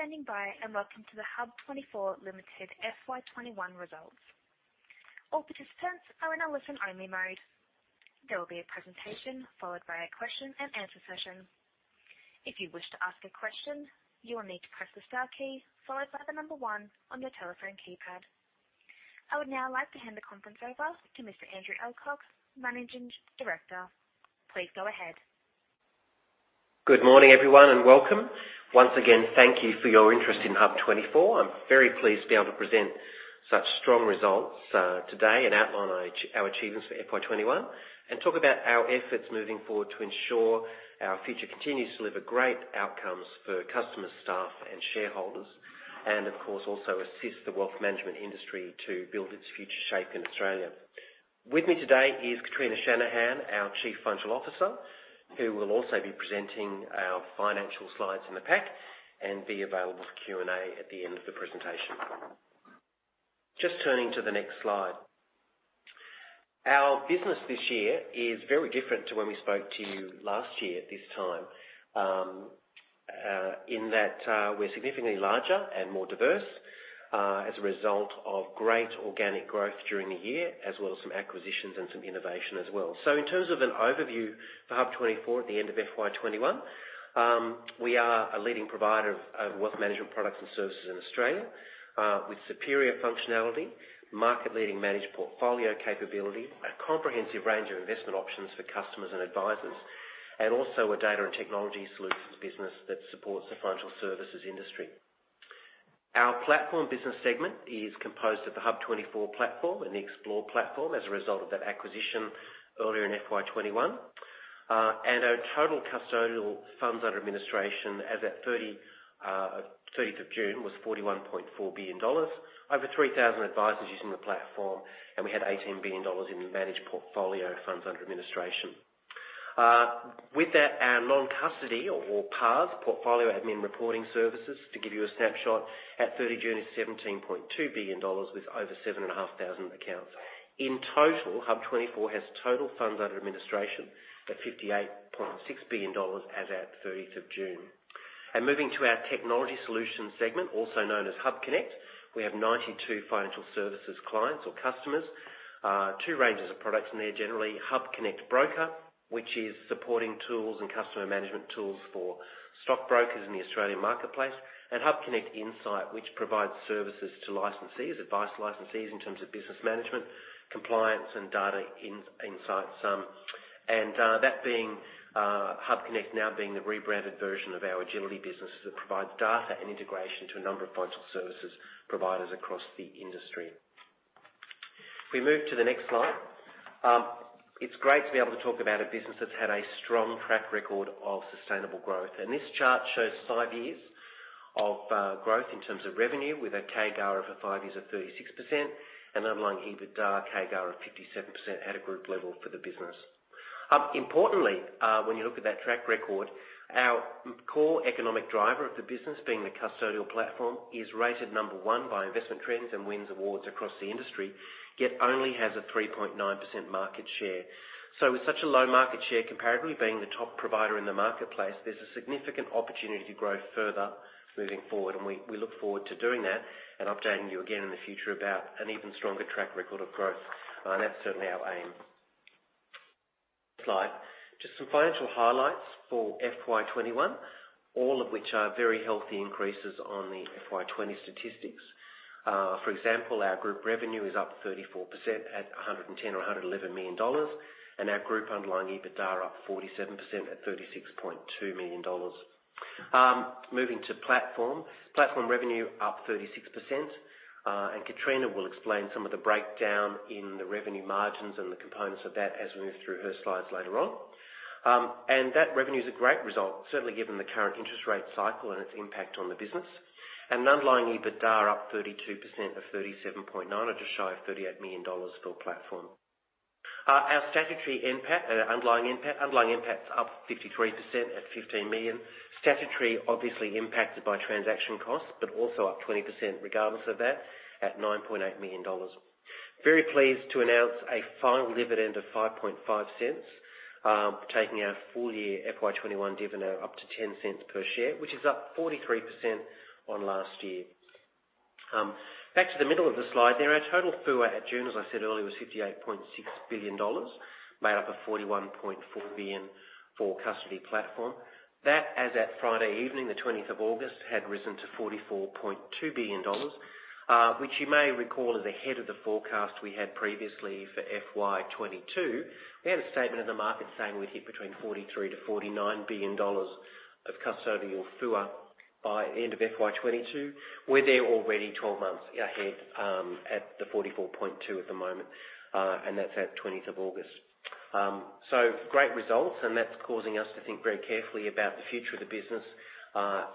Thank you for standing by, and welcome to the HUB24 Limited FY21 results. All participants are in a listen-only mode. There will be a presentation followed by a question and answer session. If you wish to ask a question, you will need to press the star key followed by the number one on your telephone keypad. I would now like to hand the conference over to Mr. Andrew Alcock, Managing Director. Please go ahead. Good morning, everyone, and welcome. Once again, thank you for your interest in HUB24. I'm very pleased to be able to present such strong results today and outline our achievements for FY 2021 and talk about our efforts moving forward to ensure our future continues to deliver great outcomes for customers, staff, and shareholders. Of course, also assist the wealth management industry to build its future shape in Australia. With me today is Kitrina Shanahan, our Chief Financial Officer, who will also be presenting our financial slides in the pack and be available for Q&A at the end of the presentation. Just turning to the next slide. Our business this year is very different to when we spoke to you last year at this time, in that we're significantly larger and more diverse as a result of great organic growth during the year, as well as some acquisitions and some innovation as well. In terms of an overview for HUB24 at the end of FY 2021, we are a leading provider of wealth management products and services in Australia with superior functionality, market-leading managed portfolio capability, a comprehensive range of investment options for customers and advisors, and also a data and technology solutions business that supports the financial services industry. Our platform business segment is composed of the HUB24 platform and the Xplore platform as a result of that acquisition earlier in FY 2021. Our total custodial funds under administration as at 30th of June was AUD 41.4 billion. Over 3,000 advisors using the platform. We had AUD 18 billion in managed portfolio funds under administration. With that, our non-custody or PARS, Portfolio, Administration and Reporting Services, to give you a snapshot, at June 30 is 17.2 billion dollars with over 7,500 accounts. In total, HUB24 has total funds under administration at 58.6 billion dollars as at 30th of June. Moving to our technology solutions segment, also known as HUBconnect, we have 92 financial services clients or customers. Two ranges of products in there, generally HUBconnect Broker, which is supporting tools and customer management tools for stockbrokers in the Australian marketplace, and HUBconnect Insight, which provides services to licensees, advice licensees, in terms of business management, compliance, and data insights. That being, HUBconnect now being the rebranded version of our Agility business that provides data and integration to a number of financial services providers across the industry. If we move to the next slide. It's great to be able to talk about a business that's had a strong track record of sustainable growth. This chart shows 5 years of growth in terms of revenue, with a CAGR for 5 years of 36%, and underlying EBITDA CAGR of 57% at a group level for the business. Importantly, when you look at that track record, our core economic driver of the business being the custodial platform, is rated number 1 by Investment Trends and wins awards across the industry, yet only has a 3.9% market share. With such a low market share comparatively, being the top provider in the marketplace, there's a significant opportunity to grow further moving forward. We look forward to doing that and updating you again in the future about an even stronger track record of growth. That's certainly our aim. Slide. Just some financial highlights for FY 2021, all of which are very healthy increases on the FY 2020 statistics. For example, our group revenue is up 34% at 110 million or 111 million dollars, and our group underlying EBITDA are up 47% at 36.2 million dollars. Moving to Platform. Platform revenue up 36%, and Kitrina will explain some of the breakdown in the revenue margins and the components of that as we move through her slides later on. That revenue is a great result, certainly given the current interest rate cycle and its impact on the business. Underlying EBITDA are up 32% of 37.9% or just shy of 38 million dollars for platform. Our statutory NPAT, underlying NPAT. Underlying NPAT is up 53% at 15 million. Statutory obviously impacted by transaction costs, but also up 20% regardless of that at 9.8 million dollars. Very pleased to announce a final dividend of 0.055, taking our full year FY 2021 dividend up to 0.10 per share, which is up 43% on last year. Back to the middle of the slide there. Our total FUA at June, as I said earlier, was 58.6 billion dollars, made up of 41.4 billion for custody platform. That, as at Friday evening, the 20th of August, had risen to 44.2 billion dollars, which you may recall is ahead of the forecast we had previously for FY 2022. We had a statement in the market saying we had hit between 43 billion-49 billion dollars of custodial FUA by end of FY 2022. We are there already 12 months ahead, at the 44.2 billion at the moment, that is at 20th of August. Great results, that is causing us to think very carefully about the future of the business,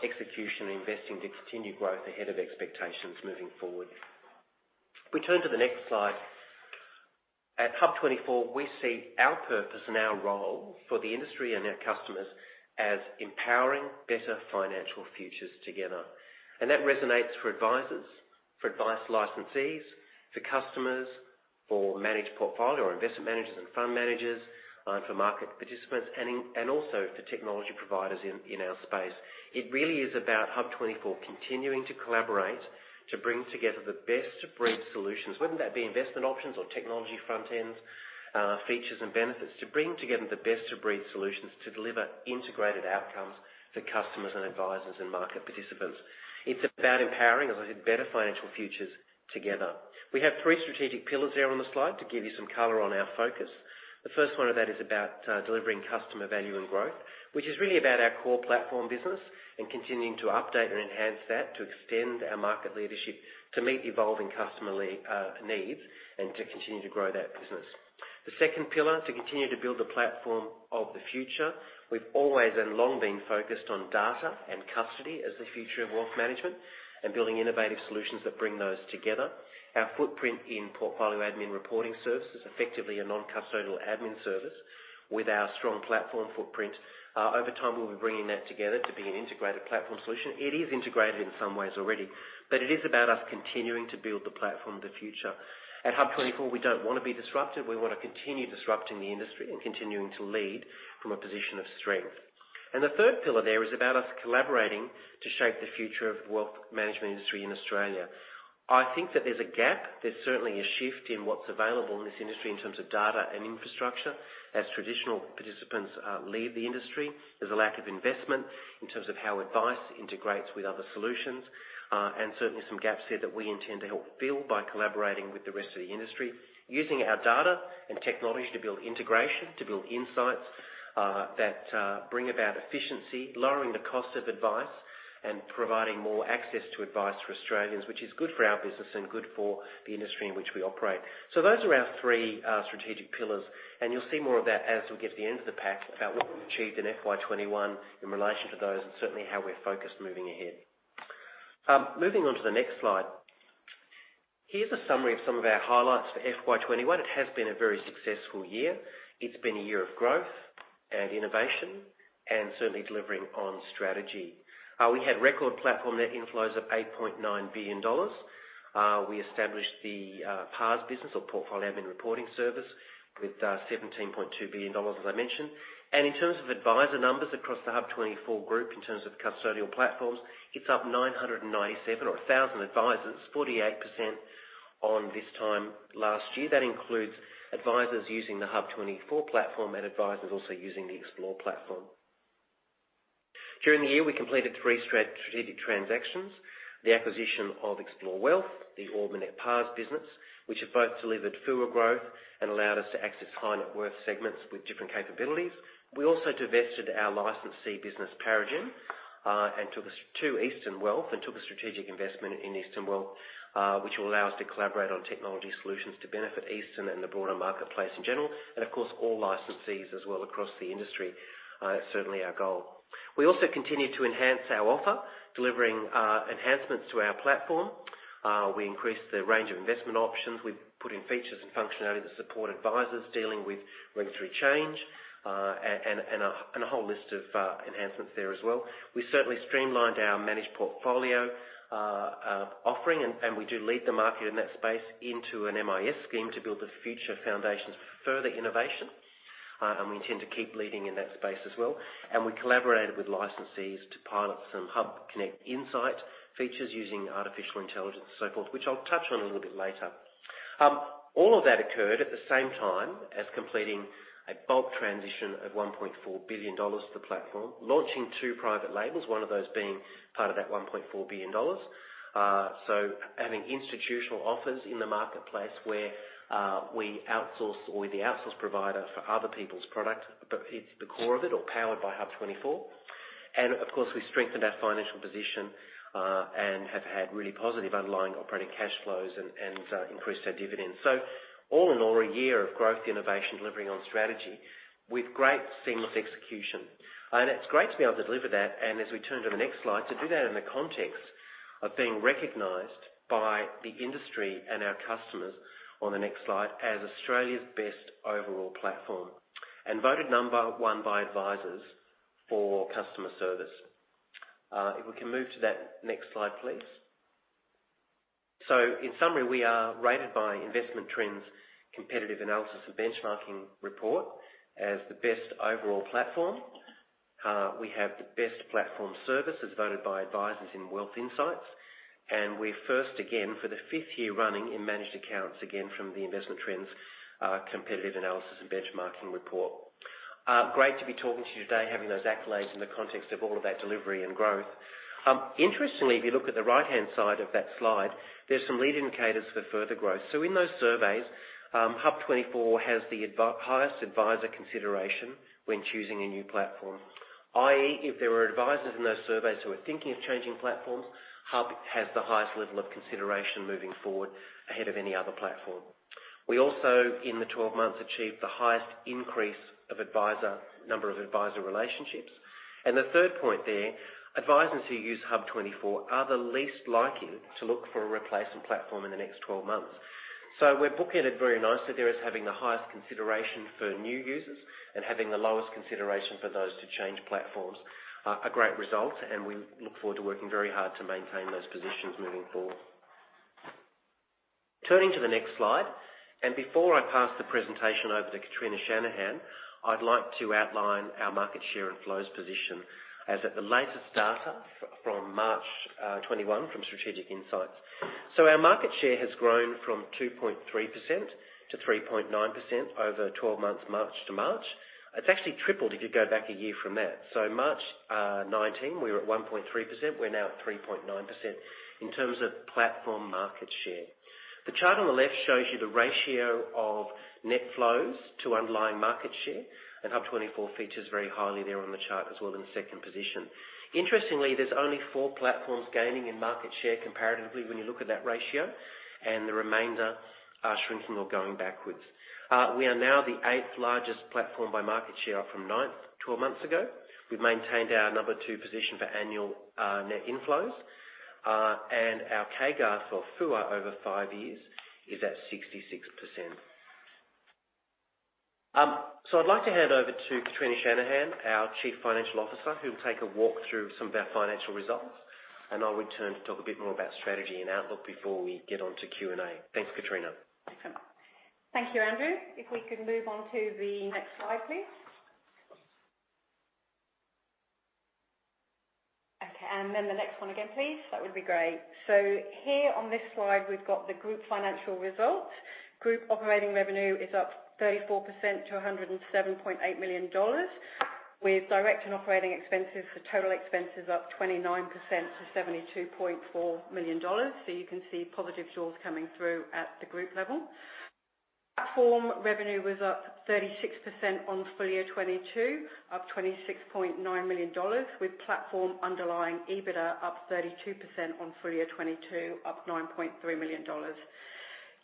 execution, and investing to continue growth ahead of expectations moving forward. If we turn to the next slide. At HUB24, we see our purpose and our role for the industry and our customers as empowering better financial futures together. That resonates for advisors, for advice licensees, for customers, for managed portfolio or investment managers and fund managers, for market participants, and also for technology providers in our space. It really is about HUB24 continuing to collaborate to bring together the best-of-breed solutions, whether that be investment options or technology front ends, features, and benefits. To bring together the best-of-breed solutions to deliver integrated outcomes for customers and advisors and market participants. It's about empowering, as I said, better financial futures together. We have three strategic pillars there on the slide to give you some color on our focus. The first one of that is about delivering customer value and growth, which is really about our core platform business and continuing to update and enhance that to extend our market leadership, to meet evolving customer needs, and to continue to grow that business. The second pillar, to continue to build the platform of the future. We've always and long been focused on data and custody as the future of wealth management and building innovative solutions that bring those together. Our footprint in Portfolio Admin Reporting Service is effectively a non-custodial admin service with our strong platform footprint. Over time, we'll be bringing that together to be an integrated platform solution. It is integrated in some ways already, but it is about us continuing to build the platform of the future. At HUB24, we don't want to be disrupted. We want to continue disrupting the industry and continuing to lead from a position of strength. The third pillar there is about us collaborating to shape the future of the wealth management industry in Australia. I think that there's a gap. There's certainly a shift in what's available in this industry in terms of data and infrastructure as traditional participants leave the industry. There's a lack of investment in terms of how advice integrates with other solutions, and certainly some gaps there that we intend to help fill by collaborating with the rest of the industry, using our data and technology to build integration, to build insights that bring about efficiency, lowering the cost of advice, and providing more access to advice for Australians, which is good for our business and good for the industry in which we operate. Those are our three strategic pillars, and you'll see more of that as we get to the end of the pack about what we've achieved in FY 2021 in relation to those and certainly how we're focused moving ahead. Moving on to the next slide. Here's a summary of some of our highlights for FY 2021. It has been a very successful year. It's been a year of growth and innovation and certainly delivering on strategy. We had record platform net inflows of 8.9 billion dollars. We established the PARS business or Portfolio Administration and Reporting Service with 17.2 billion dollars, as I mentioned. In terms of advisor numbers across the HUB24 group, in terms of custodial platforms, it's up 997 or 1,000 advisors, 48% on this time last year. That includes advisors using the HUB24 platform and advisors also using the Xplore platform. During the year, we completed three strategic transactions, the acquisition of Xplore Wealth, the Ord Minnett PARS business, which have both delivered FUA growth and allowed us to access high net worth segments with different capabilities. We also divested our licensee business, Paragem, to Easton Investments and took a strategic investment in Easton Wealth, which will allow us to collaborate on technology solutions to benefit Easton and the broader marketplace in general, and of course, all licensees as well across the industry. Certainly our goal. We also continued to enhance our offer, delivering enhancements to our platform. We increased the range of investment options. We put in features and functionality that support advisors dealing with regulatory change, and a whole list of enhancements there as well. We certainly streamlined our managed portfolio offering, and we do lead the market in that space into an MIS scheme to build the future foundations for further innovation. We intend to keep leading in that space as well. We collaborated with licensees to pilot some HUBconnect Insight features using artificial intelligence and so forth, which I'll touch on a little bit later. All of that occurred at the same time as completing a bulk transition of 1.4 billion dollars to the platform, launching 2 private labels, one of those being part of that 1.4 billion dollars. Having institutional offers in the marketplace where we outsource or we're the outsource provider for other people's product, but it's the core of it or powered by HUB24. Of course, we strengthened our financial position, and have had really positive underlying operating cash flows and increased our dividends. All in all, a year of growth, innovation, delivering on strategy with great seamless execution. It's great to be able to deliver that, and as we turn to the next slide, to do that in the context of being recognized by the industry and our customers on the next slide as Australia's best overall platform and voted number one by advisors for customer service. If we can move to that next slide, please. In summary, we are rated by Investment Trends Competitive Analysis and Benchmarking Report as the best overall platform. We have the best platform services voted by advisors in Wealth Insights, and we're first again for the fifth year running in managed accounts, again, from the Investment Trends Competitive Analysis and Benchmarking Report. Great to be talking to you today, having those accolades in the context of all of that delivery and growth. Interestingly, if you look at the right-hand side of that slide, there's some lead indicators for further growth. In those surveys, HUB24 has the highest advisor consideration when choosing a new platform, i.e., if there are advisors in those surveys who are thinking of changing platforms, HUB has the highest level of consideration moving forward ahead of any other platform. We also, in the 12 months, achieved the highest increase of number of advisor relationships. The third point there, advisors who use HUB24 are the least likely to look for a replacement platform in the next 12 months. We're booking it very nicely there as having the highest consideration for new users and having the lowest consideration for those to change platforms. A great result, we look forward to working very hard to maintain those positions moving forward. Turning to the next slide, before I pass the presentation over to Kitrina Shanahan, I'd like to outline our market share and flows position as at the latest data from March 2021 from Strategic Insight. Our market share has grown from 2.3% to 3.9% over 12 months, March to March. It's actually tripled if you go back a year from that. March 2019, we were at 1.3%. We're now at 3.9% in terms of platform market share. The chart on the left shows you the ratio of net flows to underlying market share, and HUB24 features very highly there on the chart as well in second position. Interestingly, there's only four platforms gaining in market share comparatively when you look at that ratio, and the remainder are shrinking or going backwards. We are now the eighth largest platform by market share up from ninth, 12 months ago. We've maintained our number two position for annual net inflows. Our CAGR for FUA over five years is at 66%. I'd like to hand over to Kitrina Shanahan, our Chief Financial Officer, who will take a walk through some of our financial results, and I'll return to talk a bit more about strategy and outlook before we get onto Q&A. Thanks, Kitrina. Thank you, Andrew. If we can move on to the next slide, please. Okay, the next one again, please. That would be great. Here on this slide, we've got the group financial results. Group operating revenue is up 34% to 107.8 million dollars, with direct and operating expenses for total expenses up 29% to 72.4 million dollars. You can see positive jaws coming through at the group level. Platform revenue was up 36% on FY22, up 26.9 million dollars, with platform underlying EBITDA up 32% on FY22, up 9.3 million dollars.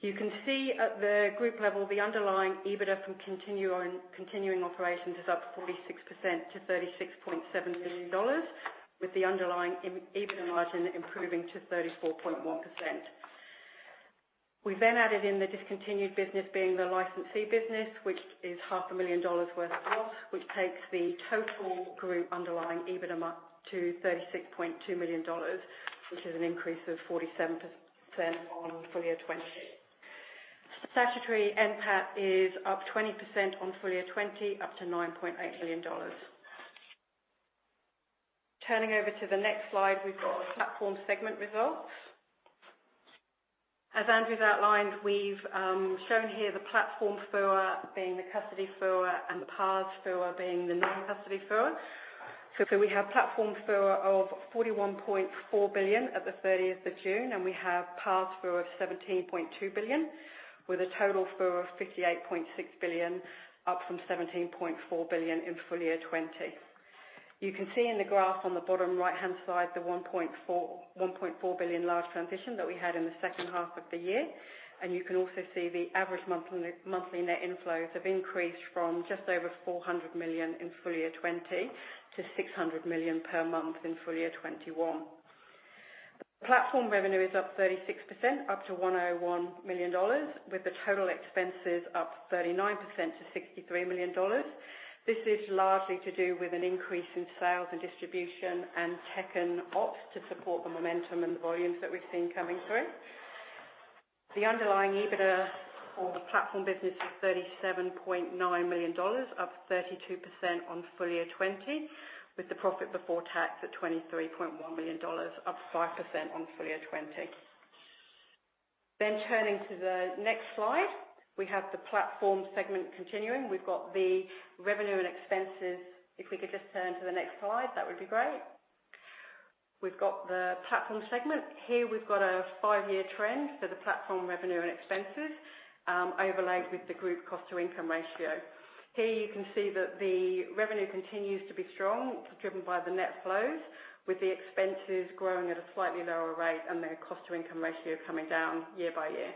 You can see at the group level, the underlying EBITDA from continuing operations is up 46% to 36.7 million dollars, with the underlying EBITDA margin improving to 34.1%. We added in the discontinued business being the licensee business, which is half a million dollars worth of loss, which takes the total group underlying EBITDA up to 36.2 million dollars, which is an increase of 47% on FY 2020. Statutory NPAT is up 20% on FY 2020, up to 9.8 million dollars. Turning over to the next slide, we've got the platform segment results. As Andrew Alcock's outlined, we've shown here the platform FUA being the custody FUA and the PARS FUA being the non-custody FUA. We have platform FUA of 41.4 billion at the 30th of June, and we have PARS FUA of 17.2 billion, with a total FUA of 58.6 billion, up from 17.4 billion in FY 2020. You can see in the graph on the bottom right-hand side, the 1.4 billion large transition that we had in the second half of the year. You can also see the average monthly net inflows have increased from just over 400 million in FY 2020 to 600 million per month in FY 2021. Platform revenue is up 36%, up to 101 million dollars, with the total expenses up 39% to 63 million dollars. This is largely to do with an increase in sales and distribution and tech and ops to support the momentum and the volumes that we've seen coming through. The underlying EBITDA for the platform business is 37.9 million dollars, up 32% on FY 2020, with the profit before tax at 23.1 million dollars, up 5% on FY 2020. Turning to the next slide, we have the platform segment continuing. We've got the revenue and expenses. If we could just turn to the next slide, that would be great. We've got the platform segment. Here, we've got a five-year trend for the platform revenue and expenses, overlaid with the group cost to income ratio. Here, you can see that the revenue continues to be strong, driven by the net flows, with the expenses growing at a slightly lower rate and the cost to income ratio coming down year by year.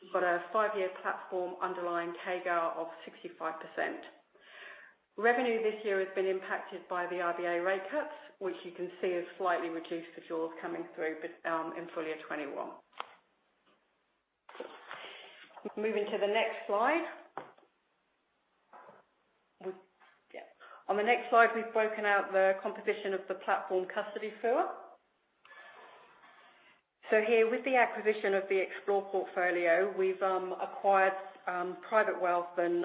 We've got a five-year platform underlying CAGR of 65%. Revenue this year has been impacted by the RBA rate cuts, which you can see has slightly reduced the jaws coming through in FY 2021. Moving to the next slide. On the next slide, we've broken out the composition of the platform custody FUA. Here, with the acquisition of the Xplore portfolio, we've acquired private wealth and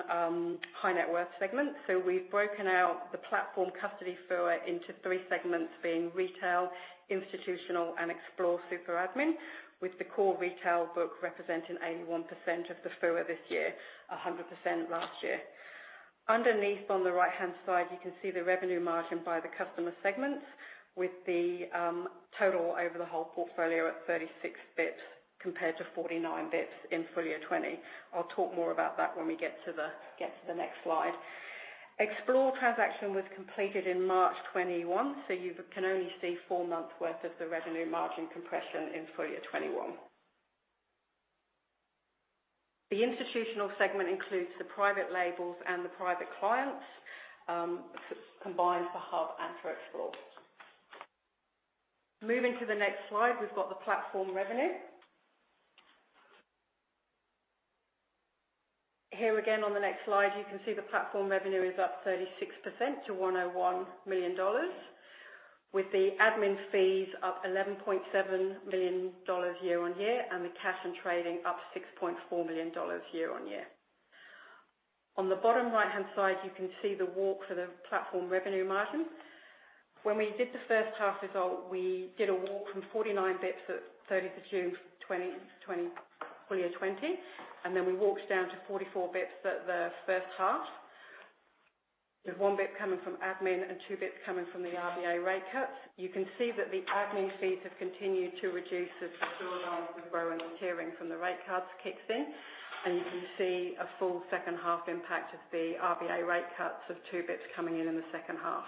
high net worth segments. We've broken out the platform custody FUA into 3 segments being retail, institutional, and Xplore Super admin, with the core retail book representing 81% of the FUA this year, 100% last year. Underneath on the right-hand side, you can see the revenue margin by the customer segments with the total over the whole portfolio at 36 basis points compared to 49 basis points in FY 2020. I'll talk more about that when we get to the next slide. Xplore transaction was completed in March 2021, so you can only see 4 months worth of the revenue margin compression in FY 2021. The institutional segment includes the private labels and the private clients, combined for HUB and for Xplore. Moving to the next slide, we've got the platform revenue. Here again on the next slide, you can see the platform revenue is up 36% to 101 million dollars, with the admin fees up 11.7 million dollars year-on-year, the cash and trading up 6.4 million dollars year-on-year. On the bottom right-hand side, you can see the walk for the platform revenue margin. We did the first half result, we did a walk from 49 basis points at 30th of June, FY 2020, then we walked down to 44 basis points at the first half. There's 1 basis point coming from admin and 2 basis points coming from the RBA rate cuts. You can see that the admin fees have continued to reduce as the drawdowns with growing and tiering from the rate cuts kicks in, you can see a full second half impact of the RBA rate cuts of 2 basis points coming in in the second half.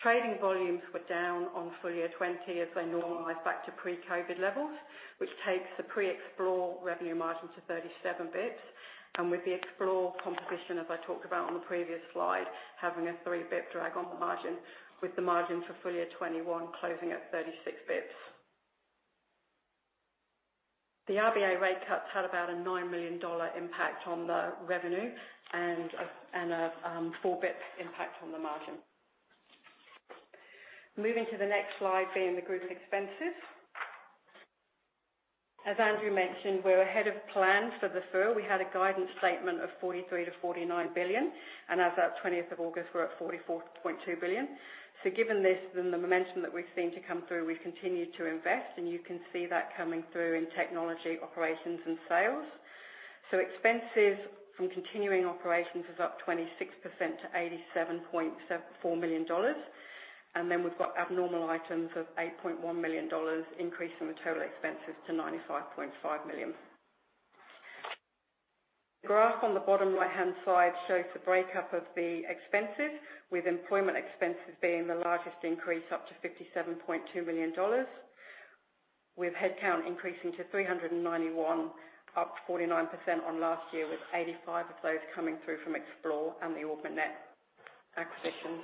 Trading volumes were down on FY20 as they normalize back to pre-COVID levels, which takes the pre-Xplore revenue margin to 37 basis points. With the Xplore composition, as I talked about on the previous slide, having a 3 basis point drag on the margin with the margin for FY21 closing at 36 basis points. The RBA rate cuts had about a 9 million dollar impact on the revenue and a 4 basis points impact on the margin. Moving to the next slide, being the group expenses. As Andrew mentioned, we're ahead of plan for the full. We had a guidance statement of 43 billion-49 billion, and as at 20th of August, we're at 44.2 billion. Given this and the momentum that we've seen to come through, we've continued to invest, and you can see that coming through in technology, operations, and sales. Expenses from continuing operations is up 26% to 87.74 million dollars. We've got abnormal items of 8.1 million dollars increase in the total expenses to 95.5 million. The graph on the bottom right-hand side shows the breakup of the expenses, with employment expenses being the largest increase up to 57.2 million dollars, with headcount increasing to 391 up 49% on last year, with 85 of those coming through from Xplore and the Ord Minnett acquisitions.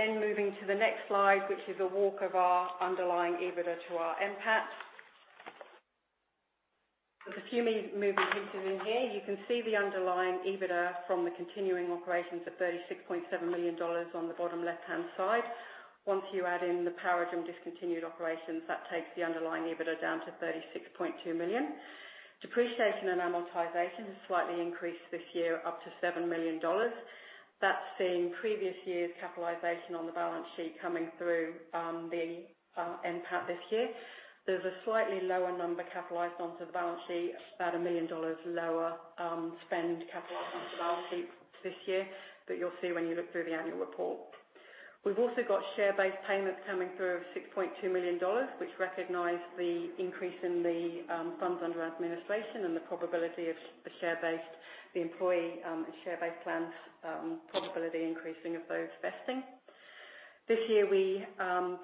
Moving to the next slide, which is a walk of our underlying EBITDA to our NPAT. There's a few moving pieces in here. You can see the underlying EBITDA from the continuing operations of 36.7 million dollars on the bottom left-hand side. Once you add in the Paragem discontinued operations, that takes the underlying EBITDA down to 36.2 million. Depreciation and amortization has slightly increased this year up to 7 million dollars. That's seen previous years' capitalization on the balance sheet coming through the NPAT this year. There's a slightly lower number capitalized onto the balance sheet, about 1 million dollars lower spend capitalized onto the balance sheet this year. You'll see when you look through the annual report. We've also got share-based payments coming through of 6.2 million dollars, which recognize the increase in the funds under administration and the probability of the employee share-based plans increasing of those vesting. This year, we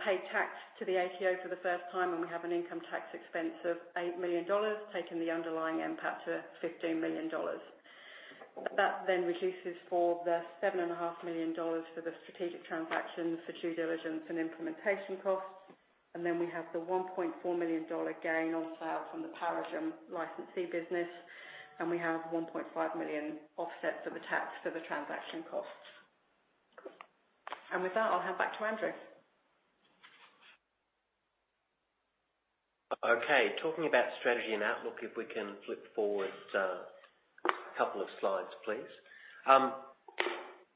paid tax to the ATO for the first time, and we have an income tax expense of 8 million dollars, taking the underlying NPAT to 15 million dollars. That reduces for the 7.5 million dollars for the strategic transaction for due diligence and implementation costs. We have the 1.4 million dollar gain on sale from the Paragem licensee business, and we have 1.5 million offset to the tax for the transaction costs. With that, I'll hand back to Andrew. Okay. Talking about strategy and outlook, if we can flip forward a couple of slides, please.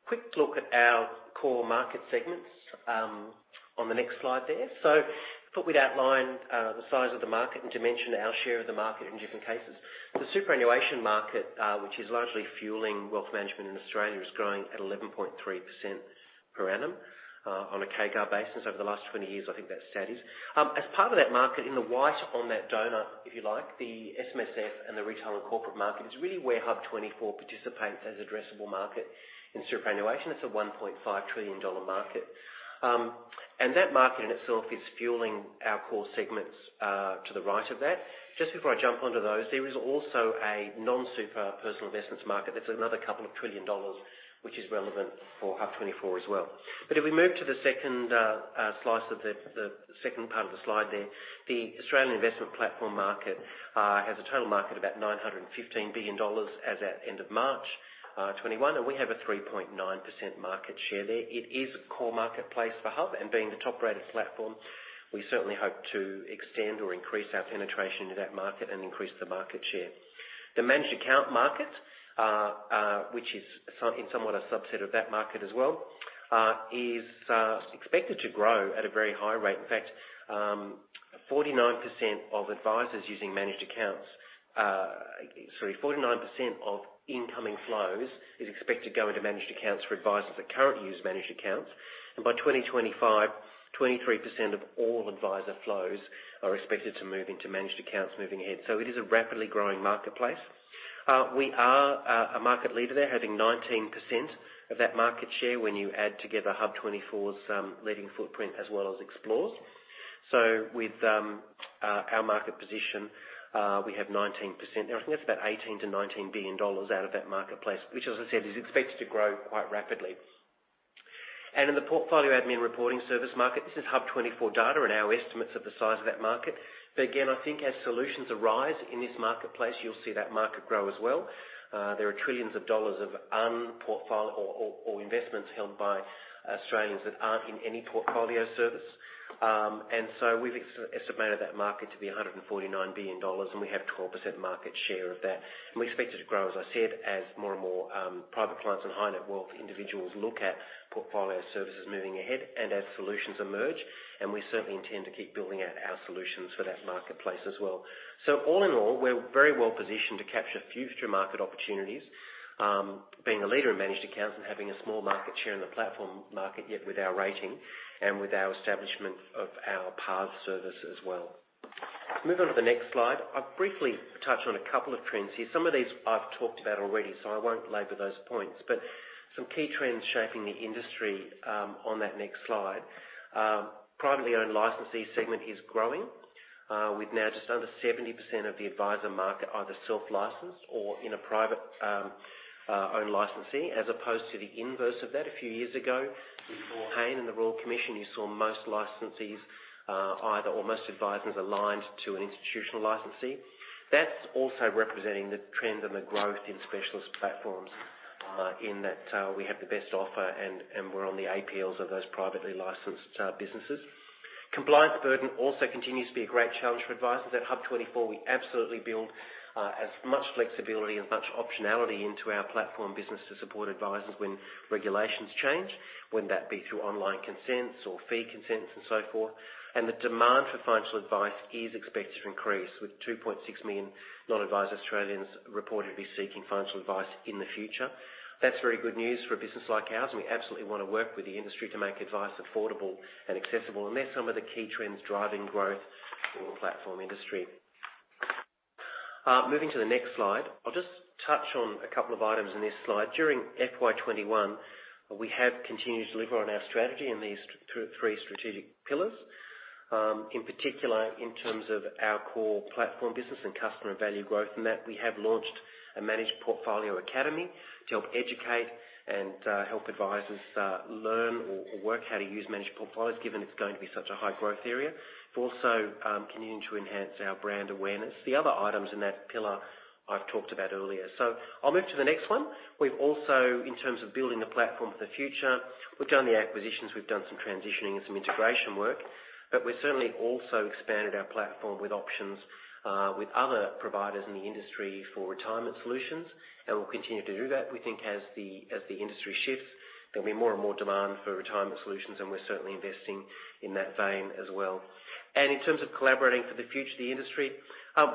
Quick look at our core market segments on the next slide there. I thought we'd outline the size of the market and to mention our share of the market in different cases. The superannuation market, which is largely fueling wealth management in Australia, is growing at 11.3% per annum, on a CAGR basis over the last 20 years, I think that stat is. As part of that market in the white on that donut, if you like, the SMSF and the retail and corporate market is really where HUB24 participates as addressable market in superannuation. It's a 1.5 trillion dollar market. That market in itself is fueling our core segments to the right of that. Just before I jump onto those, there is also a non-super personal investments market. That's another 2 trillion dollars, which is relevant for HUB24 as well. If we move to the second slice of the second part of the slide there, the Australian investment platform market has a total market about 915 billion dollars as at end of March 2021, and we have a 3.9% market share there. It is a core marketplace for HUB, being the top-rated platform, we certainly hope to extend or increase our penetration into that market and increase the market share. The managed account market, which is in somewhat a subset of that market as well, is expected to grow at a very high rate. In fact, 49% of incoming flows is expected to go into managed accounts for advisors that currently use managed accounts. By 2025, 23% of all advisor flows are expected to move into managed accounts moving ahead. It is a rapidly growing marketplace. We are a market leader there, having 19% of that market share when you add together HUB24's leading footprint as well as Xplore Wealth's. With our market position, we have 19%. I think that's about 18 billion-19 billion dollars out of that marketplace, which as I said, is expected to grow quite rapidly. In the Portfolio Administration and Reporting Service market, this is HUB24 data and our estimates of the size of that market. Again, I think as solutions arise in this marketplace, you'll see that market grow as well. There are trillions of dollars of un-portfolio or investments held by Australians that aren't in any portfolio service. We've estimated that market to be 149 billion dollars, and we have 12% market share of that. We expect it to grow, as I said, as more and more private clients and high-net-worth individuals look at portfolio services moving ahead and as solutions emerge, and we certainly intend to keep building out our solutions for that marketplace as well. All in all, we're very well-positioned to capture future market opportunities, being a leader in managed accounts and having a small market share in the platform market, yet with our rating and with our establishment of our PARS service as well. Let's move on to the next slide. I'll briefly touch on a couple of trends here. Some of these I've talked about already, so I won't labor those points, but some key trends shaping the industry on that next slide. Privately owned licensee segment is growing, with now just under 70% of the adviser market either self-licensed or in a privately owned licensee, as opposed to the inverse of that a few years ago. Before Hayne and the Royal Commission, you saw most licensees, or most advisers aligned to an institutional licensee. That's also representing the trend and the growth in specialist platforms, in that we have the best offer and we're on the APLs of those privately licensed businesses. Compliance burden also continues to be a great challenge for advisers. At HUB24, we absolutely build as much flexibility and as much optionality into our platform business to support advisers when regulations change, whether that be through online consents or fee consents and so forth. The demand for financial advice is expected to increase, with 2.6 million non-adviser Australians reportedly seeking financial advice in the future. That's very good news for a business like ours, we absolutely want to work with the industry to make advice affordable and accessible. They're some of the key trends driving growth in the platform industry. Moving to the next slide. I'll just touch on a couple of items in this slide. During FY21, we have continued to deliver on our strategy in these 3 strategic pillars. In particular, in terms of our core platform business and customer value growth, that we have launched a managed portfolio academy to help educate and help advisers learn or work how to use managed portfolios, given it's going to be such a high growth area. We're also continuing to enhance our brand awareness. The other items in that pillar I've talked about earlier. I'll move to the next one. We've also, in terms of building a platform for the future, we've done the acquisitions, we've done some transitioning and some integration work, but we've certainly also expanded our platform with options with other providers in the industry for retirement solutions, and we'll continue to do that. We think as the industry shifts, there'll be more and more demand for retirement solutions, and we're certainly investing in that vein as well. In terms of collaborating for the future of the industry,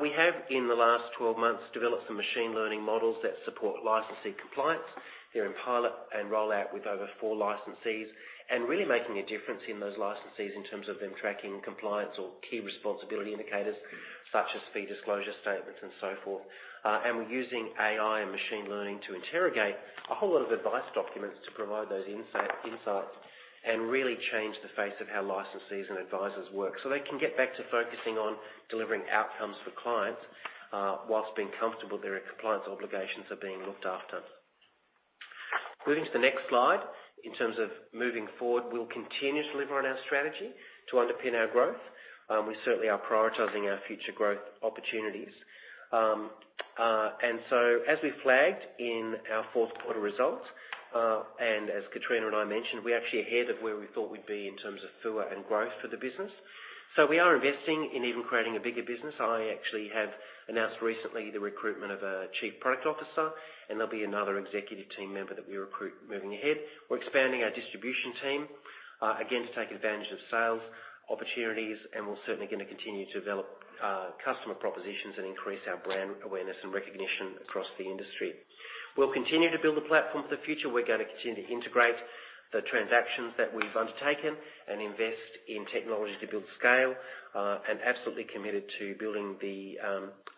we have, in the last 12 months, developed some machine learning models that support licensee compliance. They're in pilot and rollout with over 4 licensees and really making a difference in those licensees in terms of them tracking compliance or key responsibility indicators, such as fee disclosure statements and so forth. We're using AI and machine learning to interrogate a whole lot of advice documents to provide those insights and really change the face of how licensees and advisers work, so they can get back to focusing on delivering outcomes for clients whilst being comfortable their compliance obligations are being looked after. Moving to the next slide. In terms of moving forward, we'll continue to deliver on our strategy to underpin our growth. We certainly are prioritizing our future growth opportunities. As we flagged in our fourth quarter results, and as Kitrina and I mentioned, we're actually ahead of where we thought we'd be in terms of FUA and growth for the business. We are investing in even creating a bigger business. I actually have announced recently the recruitment of a chief product officer, and there'll be another executive team member that we recruit moving ahead. We're expanding our distribution team, again, to take advantage of sales opportunities, and we're certainly going to continue to develop customer propositions and increase our brand awareness and recognition across the industry. We'll continue to build a platform for the future. We're going to continue to integrate the transactions that we've undertaken and invest in technology to build scale, and absolutely committed to building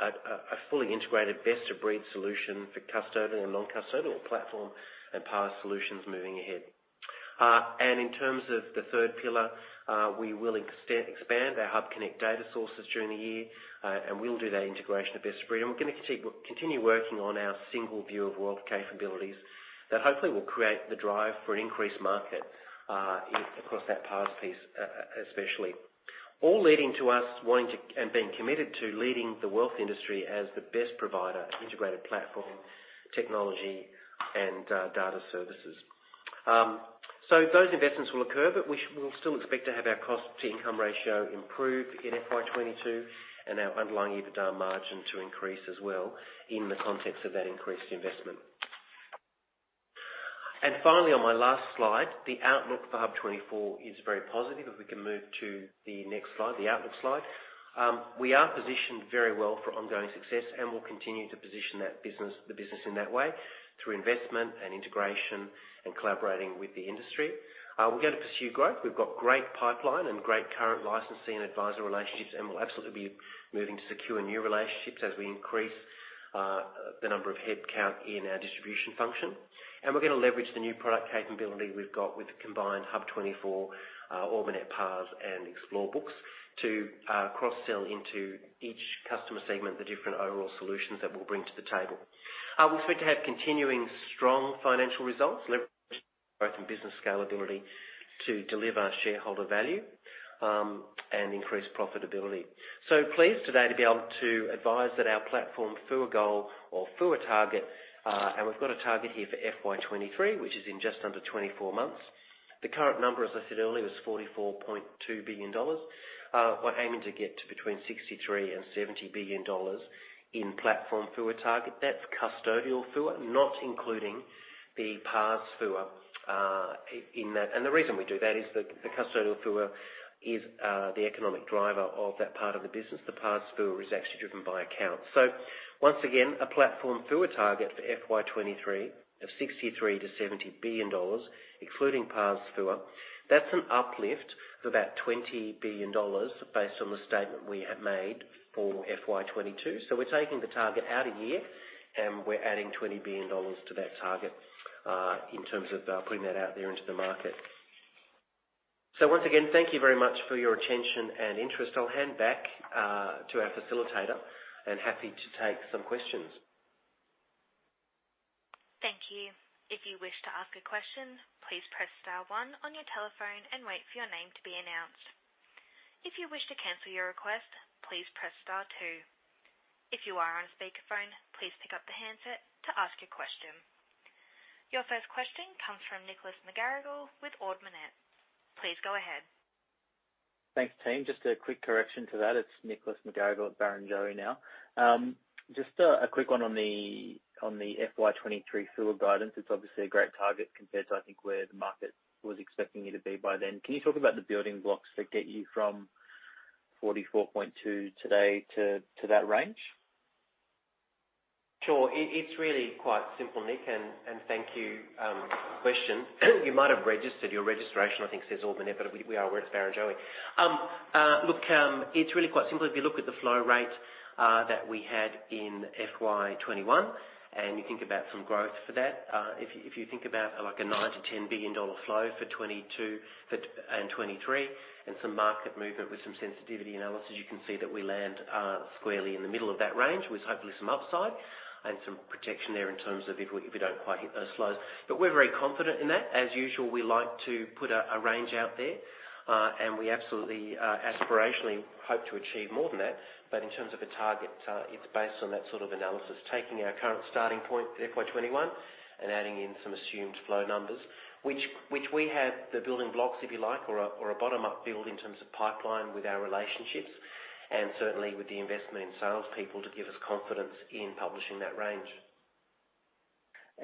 a fully integrated best-of-breed solution for custodial and non-custodial platform and PARS solutions moving ahead. In terms of the third pillar, we will expand our HUBconnect data sources during the year, and we'll do that integration of best of breed. We're going to continue working on our single view of wealth capabilities that hopefully will create the drive for an increased market across that PARS piece, especially. All leading to us wanting to and being committed to leading the wealth industry as the best provider of integrated platform technology and data services. Those investments will occur, but we'll still expect to have our cost-to-income ratio improve in FY22 and our underlying EBITDA margin to increase as well in the context of that increased investment. Finally, on my last slide, the outlook for HUB24 is very positive. If we can move to the next slide, the outlook slide. We are positioned very well for ongoing success, and we'll continue to position the business in that way through investment and integration and collaborating with the industry. We're going to pursue growth. We've got great pipeline and great current licensee and adviser relationships, we'll absolutely be moving to secure new relationships as we increase the number of headcount in our distribution function. We're going to leverage the new product capability we've got with the combined HUB24, Ord Minnett, PARS and Xplore books to cross-sell into each customer segment, the different overall solutions that we'll bring to the table. We expect to have continuing strong financial results, leverage growth and business scalability to deliver shareholder value and increase profitability. Pleased today to be able to advise that our platform FUA goal or FUA target, we've got a target here for FY 2023, which is in just under 24 months. The current number, as I said earlier, was 44.2 billion dollars. We're aiming to get to between 63 billion and 70 billion dollars in platform FUA target. That's custodial FUA, not including the PARS FUA in that. The reason we do that is that the custodial FUA is the economic driver of that part of the business. The PARS FUA is actually driven by accounts. Once again, a platform FUA target for FY 2023 of AUD 63 billion-AUD 70 billion, excluding PARS FUA. That's an uplift of about AUD 20 billion based on the statement we have made for FY 2022. We're taking the target out a year and we're adding 20 billion dollars to that target in terms of putting that out there into the market. Once again, thank you very much for your attention and interest. I'll hand back to our facilitator and happy to take some questions. Your first question comes from Nicholas McGarrigle with Ord Minnett. Please go ahead. Thanks, team. Just a quick correction to that. It is Nicholas McGarrigle at Barrenjoey now. Just a quick one on the FY 2023 FUA guidance. It is obviously a great target compared to, I think, where the market was expecting you to be by then. Can you talk about the building blocks that get you from 44.2 today to that range? Sure. It's really quite simple, Nic, and thank you for the question. You might have registered, your registration, I think says Ord Minnett, but we are with Barrenjoey. It's really quite simple. If you look at the flow rate that we had in FY21, and you think about some growth for that. If you think about an 9 billion-10 billion dollar flow for FY22 and FY23 and some market movement with some sensitivity analysis, you can see that we land squarely in the middle of that range with hopefully some upside and some protection there in terms of if we don't quite hit those flows. We're very confident in that. As usual, we like to put a range out there. We absolutely aspirationally hope to achieve more than that. In terms of a target, it's based on that sort of analysis, taking our current starting point, FY 2021, and adding in some assumed flow numbers, which we have the building blocks, if you like, or a bottom-up build in terms of pipeline with our relationships and certainly with the investment in salespeople to give us confidence in publishing that range.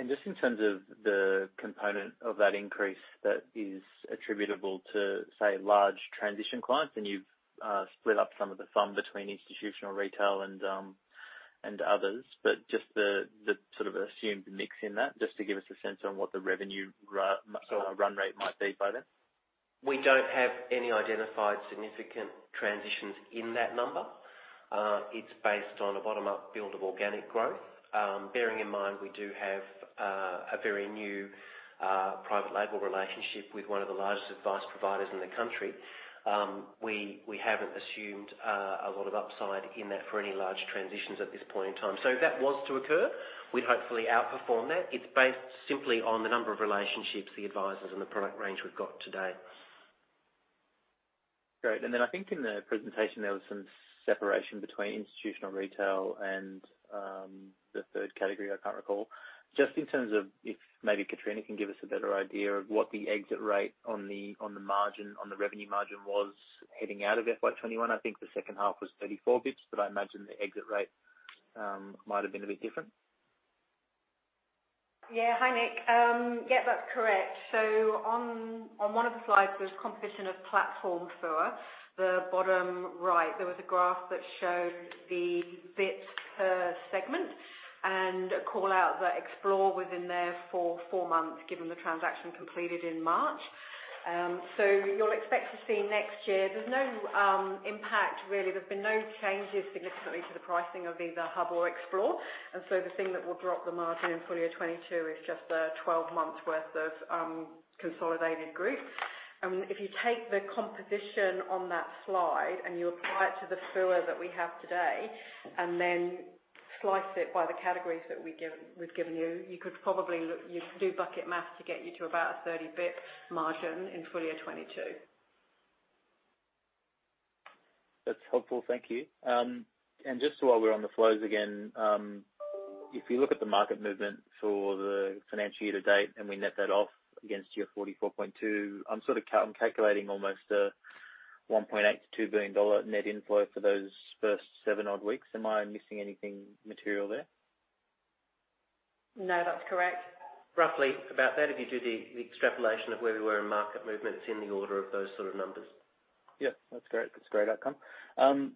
Just in terms of the component of that increase that is attributable to, say, large transition clients, and you've split up some of the FUM between institutional, retail, and others, but just the sort of assumed mix in that, just to give us a sense on what the revenue run rate might be by then? We don't have any identified significant transitions in that number. It's based on a bottom-up build of organic growth. Bearing in mind, we do have a very new private label relationship with one of the largest advice providers in the country. We haven't assumed a lot of upside in that for any large transitions at this point in time. If that was to occur, we'd hopefully outperform that. It's based simply on the number of relationships, the advisors, and the product range we've got today. Great. I think in the presentation, there was some separation between institutional retail and the third category, I can't recall. Just in terms of if maybe Kitrina can give us a better idea of what the exit rate on the margin, on the revenue margin was heading out of FY 2021. I think the second half was 34 basis points, but I imagine the exit rate might have been a bit different. Yeah. Hi, Nic. Yeah, that's correct. On one of the slides, there was composition of platform FUA, the bottom right. There was a graph that showed the basis points per segment and a call-out that Xplore was in there for four months, given the transaction completed in March. You'll expect to see next year. There's no impact, really. There's been no changes significantly to the pricing of either HUB or Xplore. The thing that will drop the margin in full year 2022 is just the 12 months worth of consolidated group. If you take the composition on that slide and you apply it to the FUA that we have today and then slice it by the categories that we've given you could probably do bucket math to get you to about a 30 basis points margin in full year 2022. That's helpful. Thank you. Just while we're on the flows again, if you look at the market movement for the financial year to date, we net that off against your 44.2, I'm calculating almost an 1.8 billion-2 billion dollar net inflow for those first 7 odd weeks. Am I missing anything material there? No, that's correct. Roughly about that. If you do the extrapolation of where we were in market movements in the order of those sort of numbers. Yeah, that's great. That's a great outcome.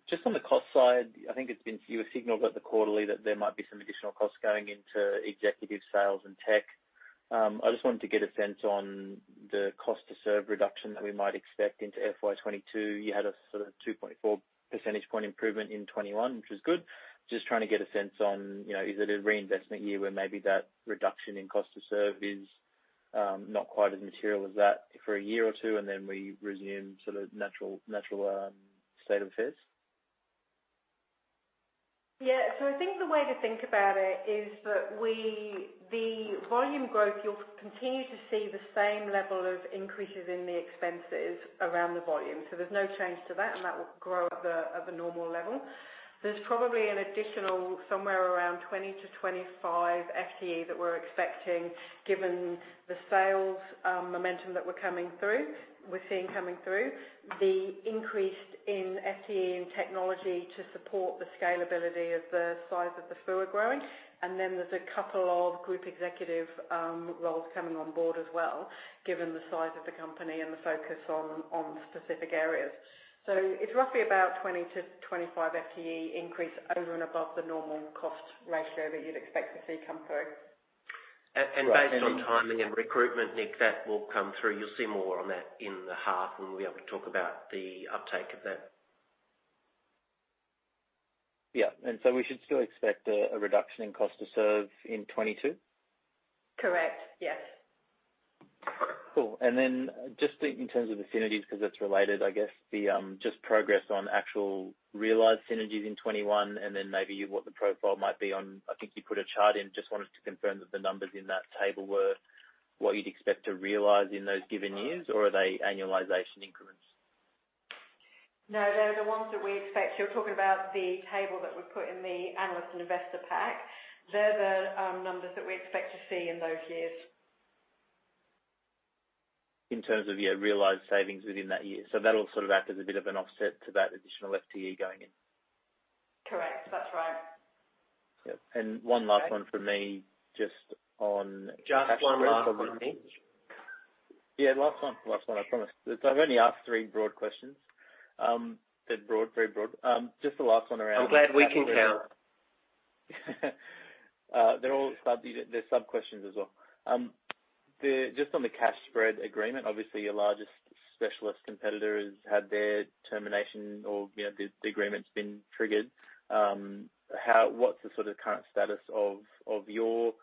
Just on the cost side, I think you signaled at the quarterly that there might be some additional costs going into executive sales and tech. I just wanted to get a sense on the cost to serve reduction that we might expect into FY 2022. You had a sort of 2.4 percentage point improvement in 2021, which was good. Just trying to get a sense on, is it a reinvestment year where maybe that reduction in cost to serve is-Not quite as material as that for a year or two, and then we resume sort of natural state of affairs? I think the way to think about it is that the volume growth, you'll continue to see the same level of increases in the expenses around the volume. There's no change to that, and that will grow at the normal level. There's probably an additional somewhere around 20 to 25 FTE that we're expecting, given the sales momentum that we're seeing coming through, the increase in FTE and technology to support the scalability of the size of the FUA growing. There's a couple of group executive roles coming on board as well, given the size of the company and the focus on specific areas. It's roughly about 20 to 25 FTE increase over and above the normal cost ratio that you'd expect to see come through. Based on timing and recruitment, Nic, that will come through. You'll see more on that in the half when we'll be able to talk about the uptake of that. Yeah. We should still expect a reduction in cost to serve in 2022? Correct. Yes. Cool. Just in terms of synergies, because it's related, I guess the just progress on actual realized synergies in 2021 and then maybe what the profile might be on, I think you put a chart in. Just wanted to confirm that the numbers in that table were what you'd expect to realize in those given years or are they annualization increments? No, they're the ones that we expect. You're talking about the table that we put in the analyst and investor pack. They're the numbers that we expect to see in those years. In terms of your realized savings within that year. That'll sort of act as a bit of an offset to that additional FTE going in. Correct. That's right. Yep. One last one from me. Just one last one, Nic. Yeah, last one. Last one, I promise. I've only asked three broad questions. They're broad, very broad. Just the last one around. I'm glad we can count. They're sub-questions as well. Just on the cash spread agreement, obviously your largest specialist competitor has had their termination or the agreement's been triggered. What's the sort of current status of your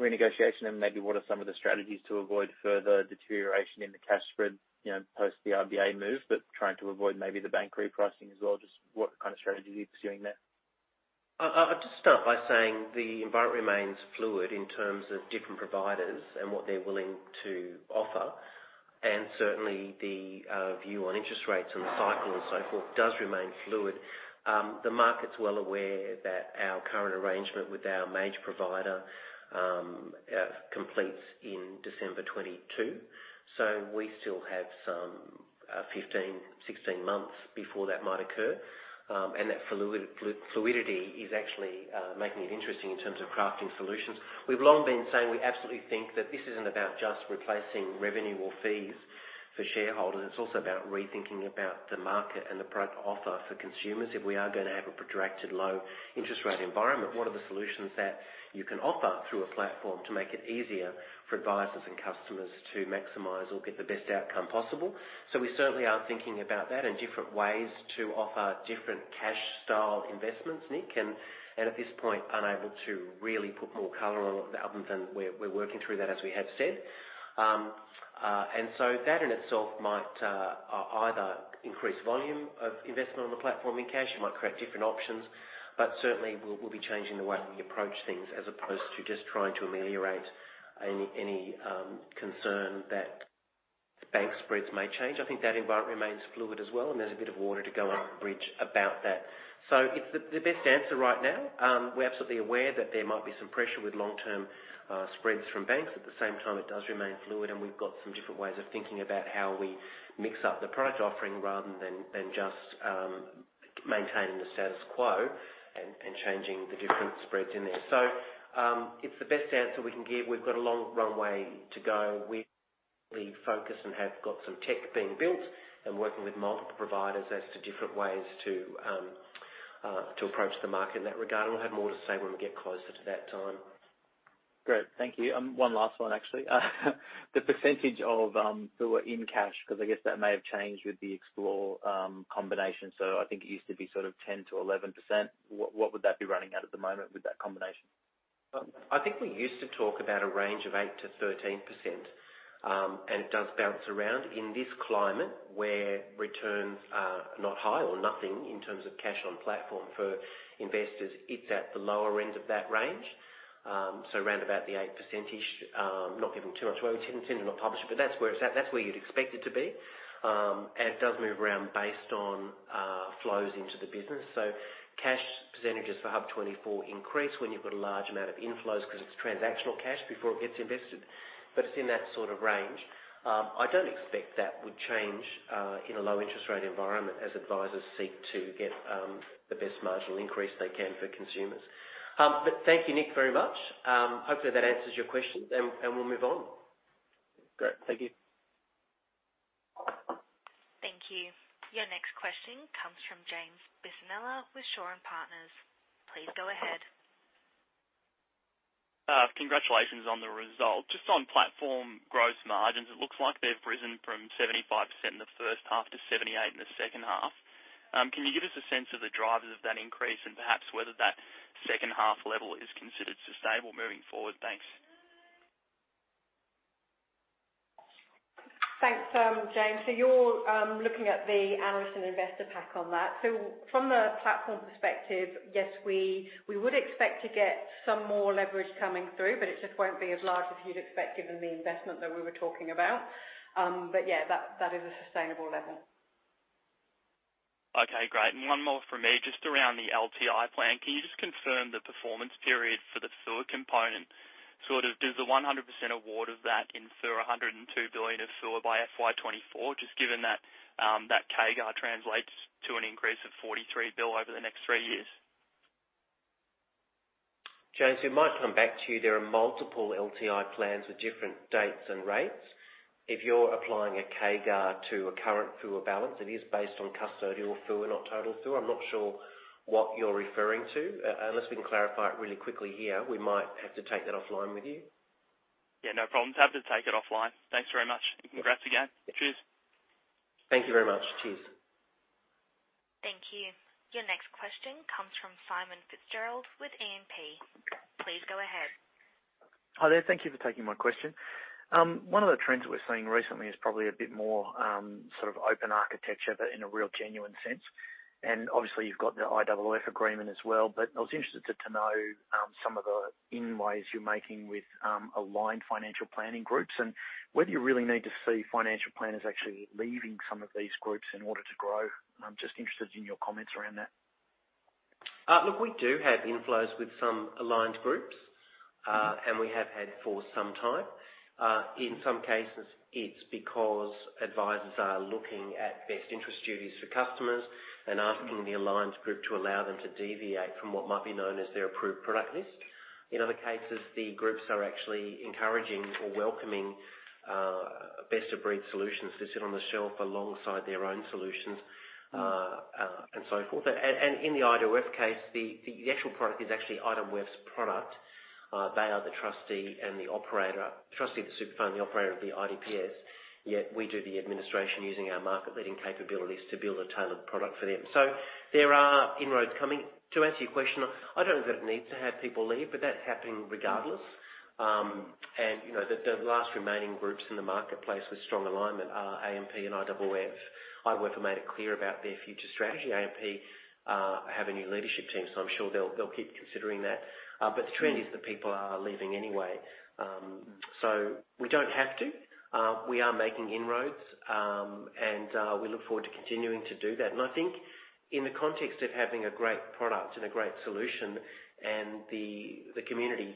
renegotiation and maybe what are some of the strategies to avoid further deterioration in the cash spread post the RBA move, but trying to avoid maybe the bank repricing as well? Just what kind of strategies are you pursuing there? I'll just start by saying the environment remains fluid in terms of different providers and what they're willing to offer, and certainly the view on interest rates and the cycle and so forth does remain fluid. The market's well aware that our current arrangement with our major provider completes in December 2022, we still have some 15, 16 months before that might occur. That fluidity is actually making it interesting in terms of crafting solutions. We've long been saying we absolutely think that this isn't about just replacing revenue or fees for shareholders. It's also about rethinking about the market and the product offer for consumers. If we are going to have a protracted low interest rate environment, what are the solutions that you can offer through a platform to make it easier for advisers and customers to maximize or get the best outcome possible? We certainly are thinking about that and different ways to offer different cash style investments, Nic. At this point, unable to really put more color on it other than we're working through that, as we have said. That in itself might either increase volume of investment on the platform in cash. It might create different options. Certainly we'll be changing the way we approach things as opposed to just trying to ameliorate any concern that the bank spreads may change. I think that environment remains fluid as well, and there's a bit of water to go under the bridge about that. It's the best answer right now. We're absolutely aware that there might be some pressure with long-term spreads from banks. At the same time, it does remain fluid and we've got some different ways of thinking about how we mix up the product offering rather than just maintaining the status quo and changing the different spreads in there. It's the best answer we can give. We've got a long runway to go. We focus and have got some tech being built and working with multiple providers as to different ways to approach the market in that regard, and we'll have more to say when we get closer to that time. Great. Thank you. One last one, actually. The percentage of FUA in cash, because I guess that may have changed with the Xplore combination. I think it used to be sort of 10%-11%. What would that be running at at the moment with that combination? I think we used to talk about a range of 8%-13%, it does bounce around. In this climate where returns are not high or nothing in terms of cash on platform for investors, it's at the lower end of that range. Around about the 8%. Not giving too much away. We tend to not publish it, that's where it's at. That's where you'd expect it to be. It does move around based on flows into the business. Cash percentages for HUB24 increase when you've got a large amount of inflows because it's transactional cash before it gets invested, it's in that sort of range. I don't expect that would change in a low interest rate environment as advisers seek to get the best marginal increase they can for consumers. Thank you, Nic, very much. Hopefully, that answers your questions, and we'll move on. Great. Thank you. Thank you. Your next question comes from James Bisinella with Shaw and Partners. Please go ahead. Congratulations on the result. Just on platform gross margins, it looks like they've risen from 75% in the first half to 78% in the second half. Can you give us a sense of the drivers of that increase and perhaps whether that second half level is considered sustainable moving forward? Thanks. Thanks, James. You're looking at the analyst and investor pack on that. From the platform perspective, yes, we would expect to get some more leverage coming through, but it just won't be as large as you'd expect given the investment that we were talking about. Yeah, that is a sustainable level. Okay, great. One more from me, just around the LTI plan. Can you just confirm the performance period for the FUA component? Does the 100% award of that infer 102 billion of FUA by FY 2024? Just given that CAGR translates to an increase of 43 billion over the next 3 years. James, we might come back to you. There are multiple LTI plans with different dates and rates. If you're applying a CAGR to a current FUA balance, it is based on custodial FUA, not total FUA. I'm not sure what you're referring to. Unless we can clarify it really quickly here, we might have to take that offline with you. Yeah, no problems. Happy to take it offline. Thanks very much. Congrats again. Cheers. Thank you very much. Cheers. Thank you. Your next question comes from Simon Fitzgerald with AMP. Please go ahead. Hi there. Thank you for taking my question. One of the trends we're seeing recently is probably a bit more open architecture, but in a real genuine sense. Obviously you've got the IOOF agreement as well. I was interested to know some of the inroads you're making with aligned financial planning groups and whether you really need to see financial planners actually leaving some of these groups in order to grow. I'm just interested in your comments around that. Look, we do have inflows with some aligned groups, and we have had for some time. In some cases, it's because advisors are looking at best interest duties for customers and asking the alliance group to allow them to deviate from what might be known as their Approved Product Lists. In other cases, the groups are actually encouraging or welcoming best-of-breed solutions to sit on the shelf alongside their own solutions, and so forth. In the IOOF case, the actual product is actually IOOF's product. They are the trustee and the operator, trustee of the super fund and the operator of the IDPS, yet we do the administration using our market-leading capabilities to build a tailored product for them. There are inroads coming. To answer your question, I don't think that it needs to have people leave, but that's happening regardless. The last remaining groups in the marketplace with strong alignment are AMP and IOOF. IOOF have made it clear about their future strategy. AMP have a new leadership team. I'm sure they'll keep considering that. The trend is that people are leaving anyway. We don't have to. We are making inroads, and we look forward to continuing to do that. I think in the context of having a great product and a great solution and the community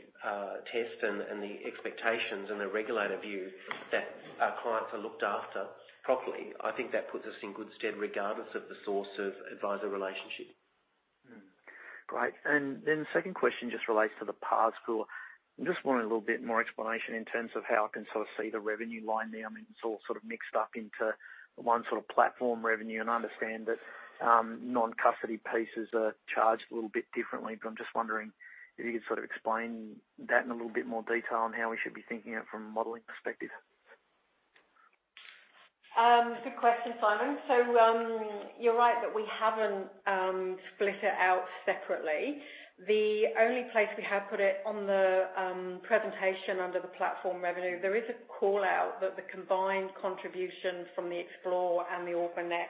test and the expectations and the regulator view that our clients are looked after properly, I think that puts us in good stead regardless of the source of advisor relationship. Great. Then the second question just relates to the PARS FUA. I'm just wondering a little bit more explanation in terms of how I can sort of see the revenue line there. I mean, it's all sort of mixed up into one sort of platform revenue, and I understand that non-custody pieces are charged a little bit differently. I'm just wondering if you could sort of explain that in a little bit more detail on how we should be thinking it from a modeling perspective. Good question, Simon. You're right that we haven't split it out separately. The only place we have put it on the presentation under the platform revenue, there is a call-out that the combined contribution from the Xplore and the Agility Applications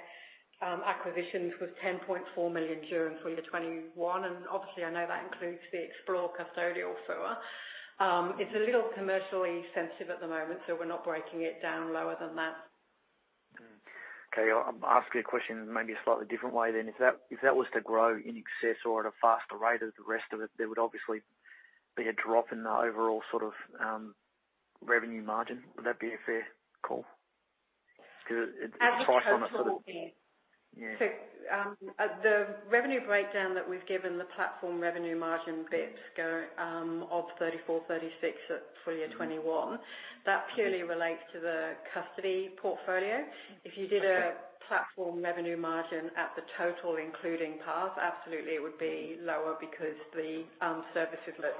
acquisitions was 10.4 million during FY21, and obviously I know that includes the Xplore custodial FUA. It's a little commercially sensitive at the moment, so we're not breaking it down lower than that. Okay. I'll ask you a question maybe a slightly different way then. If that was to grow in excess or at a faster rate as the rest of it, there would obviously be a drop in the overall sort of revenue margin. Would that be a fair call? Because it's priced on a sort of. As a total, yes. Yeah. The revenue breakdown that we've given the platform revenue margin bits go of 34%, 36% at full year 2021. That purely relates to the custody portfolio. If you did a platform revenue margin at the total including PARS, absolutely it would be lower because the services look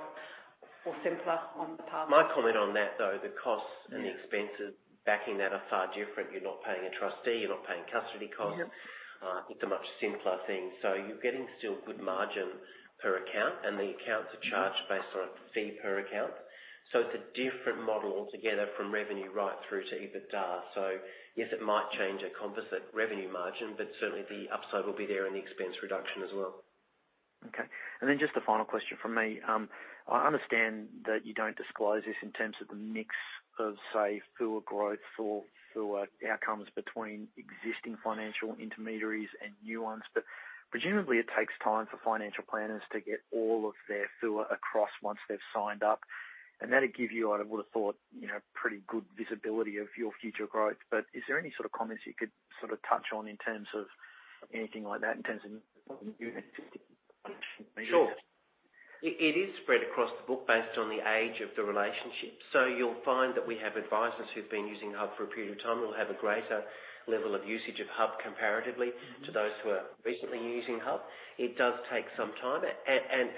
or simpler on the PARS. My comment on that, though, the costs and the expenses backing that are far different. You're not paying a trustee, you're not paying custody costs. Yeah. It's a much simpler thing. You're getting still good margin per account, and the accounts are charged based on a fee per account. It's a different model altogether from revenue right through to EBITDA. Yes, it might change a composite revenue margin, but certainly the upside will be there in the expense reduction as well. Okay. Just a final question from me. I understand that you don't disclose this in terms of the mix of, say, FUA growth or FUA outcomes between existing financial intermediaries and new ones. Presumably it takes time for financial planners to get all of their FUA across once they've signed up, and that would give you, I would have thought, pretty good visibility of your future growth. Is there any sort of comments you could touch on in terms of anything like that in terms of new and existing? Sure. It is spread across the book based on the age of the relationship. You'll find that we have advisors who've been using HUB for a period of time will have a greater level of usage of HUB comparatively to those who are recently using HUB. It does take some time.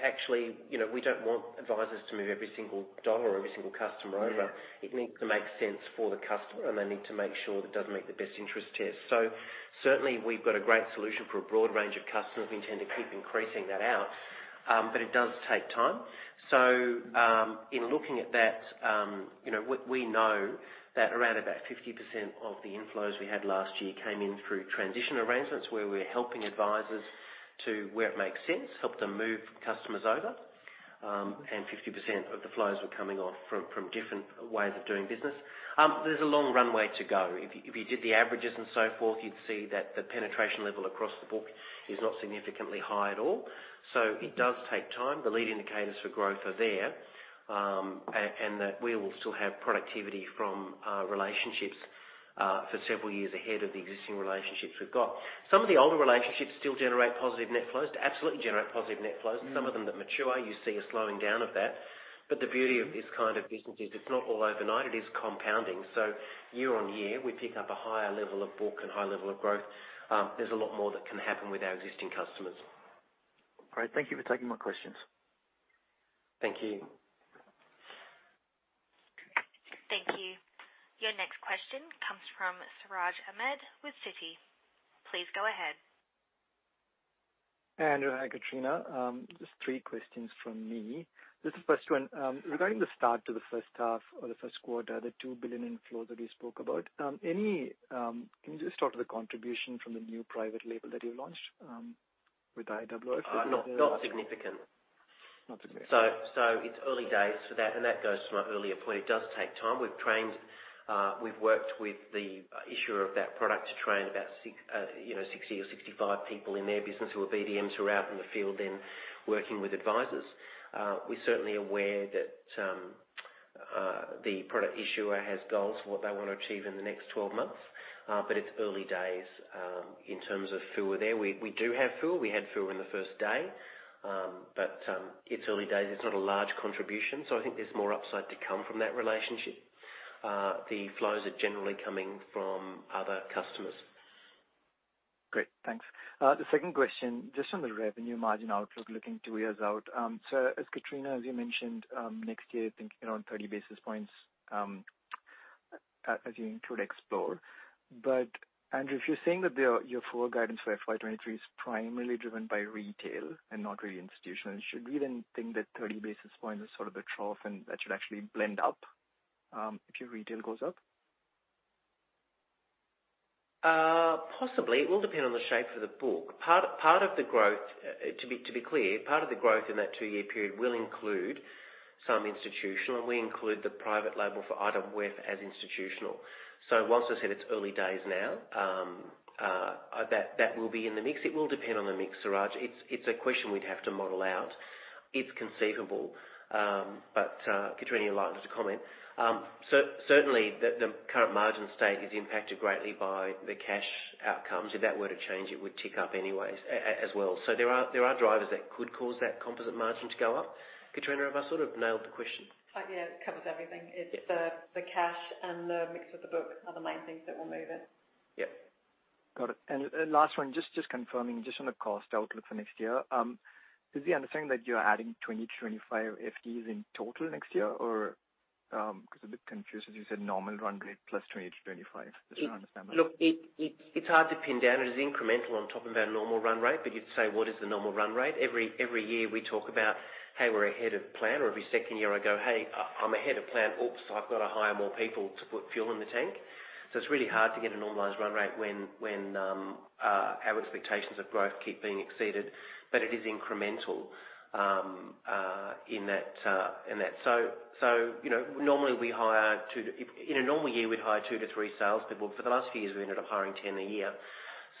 Actually, we don't want advisors to move every single dollar or every single customer over. It needs to make sense for the customer, and they need to make sure that it does make the best interest test. Certainly, we've got a great solution for a broad range of customers. We intend to keep increasing that out, but it does take time. In looking at that, we know that around about 50% of the inflows we had last year came in through transition arrangements where we're helping advisors to, where it makes sense, help them move customers over. 50% of the flows were coming off from different ways of doing business. There's a long runway to go. If you did the averages and so forth, you'd see that the penetration level across the book is not significantly high at all. It does take time. The leading indicators for growth are there, and that we will still have productivity from our relationships for several years ahead of the existing relationships we've got. Some of the older relationships still generate positive net flows. They absolutely generate positive net flows. Some of them that mature, you see a slowing down of that. The beauty of this kind of business is it's not all overnight, it is compounding. Year on year, we pick up a higher level of book and higher level of growth. There's a lot more that can happen with our existing customers. Great. Thank you for taking my questions. Thank you. Thank you. Your next question comes from Siraj Ahmed with Citi. Please go ahead. Andrew, hi, Kitrina. Just three questions from me. Just the first one. Regarding the start to the H1 or the Q1, the 2 billion inflows that you spoke about. Can you just talk to the contribution from the new private label that you launched with IOOF? Not significant. Not significant. It's early days for that, and that goes to my earlier point. It does take time. We've worked with the issuer of that product to train about 60 or 65 people in their business who are BDMs who are out in the field and working with advisors. We're certainly aware that the product issuer has goals for what they want to achieve in the next 12 months. It's early days in terms of FUA there. We do have FUA. We had FUA in the first day. It's early days. It's not a large contribution. I think there's more upside to come from that relationship. The flows are generally coming from other customers. Great. Thanks. The second question, just on the revenue margin outlook, looking two years out. As Kitrina, as you mentioned, next year, thinking around 30 basis points as you include Xplore. Andrew, if you're saying that your FUA guidance for FY 2023 is primarily driven by retail and not really institutional, should we then think that 30 basis points is sort of a trough and that should actually blend up if your retail goes up? Possibly. It will depend on the shape of the book. To be clear, part of the growth in that two-year period will include some institutional, and we include the private label for IOOF as institutional. Whilst I said it's early days now, that will be in the mix. It will depend on the mix, Siraj. It's a question we'd have to model out. It's conceivable. Kitrina, you're likely to comment. Certainly, the current margin state is impacted greatly by the cash outcomes. If that were to change, it would tick up anyway as well. There are drivers that could cause that composite margin to go up. Kitrina, have I sort of nailed the question? Yeah, it covers everything. It's the cash and the mix of the book are the main things that will move it. Yep. Got it. Last one, just confirming, just on the cost outlook for next year. Is the understanding that you're adding 20 to 25 FTEs in total next year? Because I'm a bit confused, as you said, normal run rate plus 20 to 25. Just trying to understand that. Look, it's hard to pin down, and it's incremental on top of our normal run rate, but you'd say, what is the normal run rate? Every year we talk about, hey, we're ahead of plan, or every second year I go, "Hey, I'm ahead of plan. Oops, I've got to hire more people to put fuel in the tank." It's really hard to get a normalized run rate when our expectations of growth keep being exceeded. It is incremental in that. In a normal year, we'd hire two to three sales people. For the last few years, we ended up hiring 10 a year.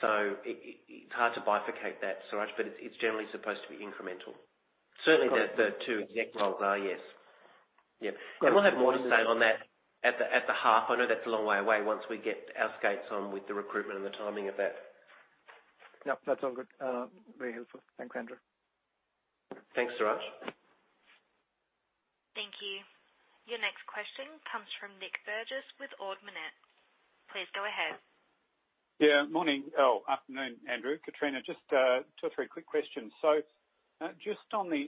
It's hard to bifurcate that, Siraj, but it's generally supposed to be incremental. Certainly the two exec roles are, yes. Yep. We'll have more to say on that at the half. I know that's a long way away once we get our skates on with the recruitment and the timing of that. Yep. That's all good. Very helpful. Thanks, Andrew. Thanks, Siraj. Thank you. Your next question comes from Nic Burgess with Ord Minnett. Please go ahead. Yeah. Morning. Oh, afternoon, Andrew, Kitrina. Just two or three quick questions. Just on the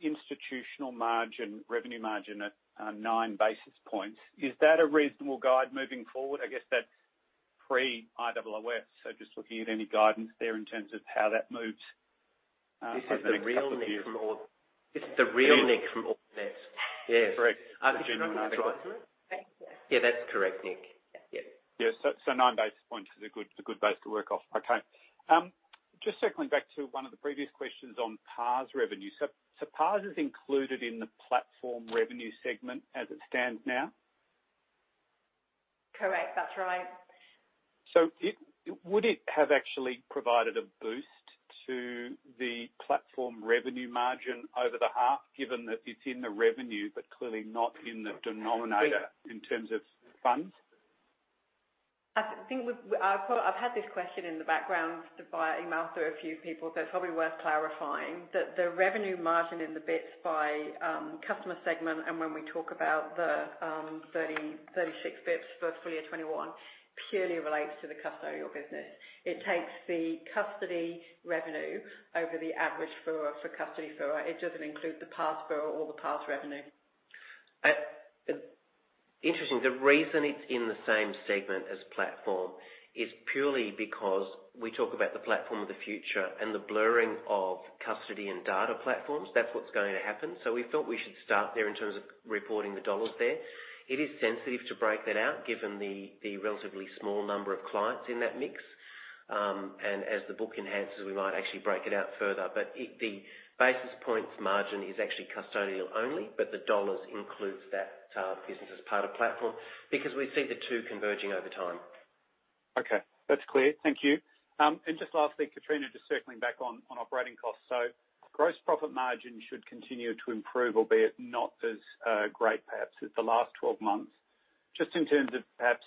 institutional margin, revenue margin at nine basis points, is that a reasonable guide moving forward? I guess that's pre-IOOF, just looking at any guidance there in terms of how that moves. This is the real Nic from Ord Minnett. Yes. Correct. Did you not know I got through? I think so. Yeah, that's correct, Nic. Yeah. Yeah. 9 basis points is a good base to work off. Okay. Just circling back to one of the previous questions on PARS revenue. PARS is included in the platform revenue segment as it stands now? Correct. That's right. Would it have actually provided a boost to the platform revenue margin over the half, given that it's in the revenue, but clearly not in the denominator in terms of funds? I've had this question in the background via email through a few people, so it's probably worth clarifying. The revenue margin in the basis points by customer segment, and when we talk about the 36 basis points for FY21 purely relates to the custodial business. It takes the custody revenue over the average FUA for custody FUA. It doesn't include the PARS FUA or the PARS revenue. Interesting. The reason it's in the same segment as platform is purely because we talk about the platform of the future and the blurring of custody and data platforms. That's what's going to happen. We thought we should start there in terms of reporting the dollars there. It is sensitive to break that out given the relatively small number of clients in that mix. As the book enhances, we might actually break it out further, but the basis points margin is actually custodial only, but the dollars includes that business as part of platform because we see the two converging over time. Okay. That's clear. Thank you. Just lastly, Kitrina, just circling back on operating costs. Gross profit margin should continue to improve, albeit not as great perhaps as the last 12 months. Just in terms of perhaps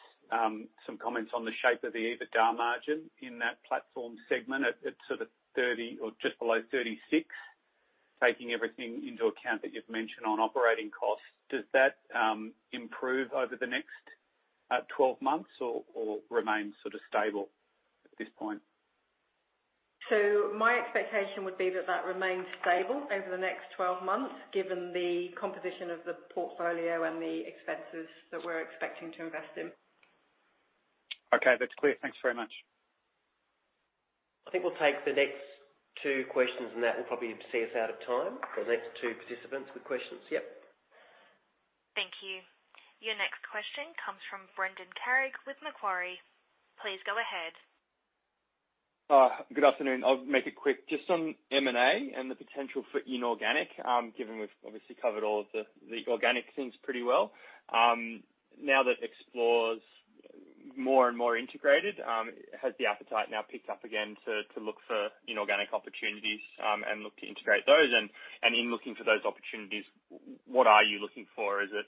some comments on the shape of the EBITDA margin in that platform segment at sort of 30 or just below 36, taking everything into account that you've mentioned on operating costs, does that improve over the next 12 months or remain sort of stable at this point? My expectation would be that that remains stable over the next 12 months given the composition of the portfolio and the expenses that we're expecting to invest in. Okay, that's clear. Thanks very much. I think we'll take the next two questions. That will probably see us out of time for the next two participants with questions. Yep. Thank you. Your next question comes from Brendan Carrig with Macquarie. Please go ahead. Good afternoon. I'll make it quick. Just on M&A and the potential for inorganic, given we've obviously covered all of the organic things pretty well. Now that Xplore's more and more integrated, has the appetite now picked up again to look for inorganic opportunities, and look to integrate those? In looking for those opportunities, what are you looking for? Is it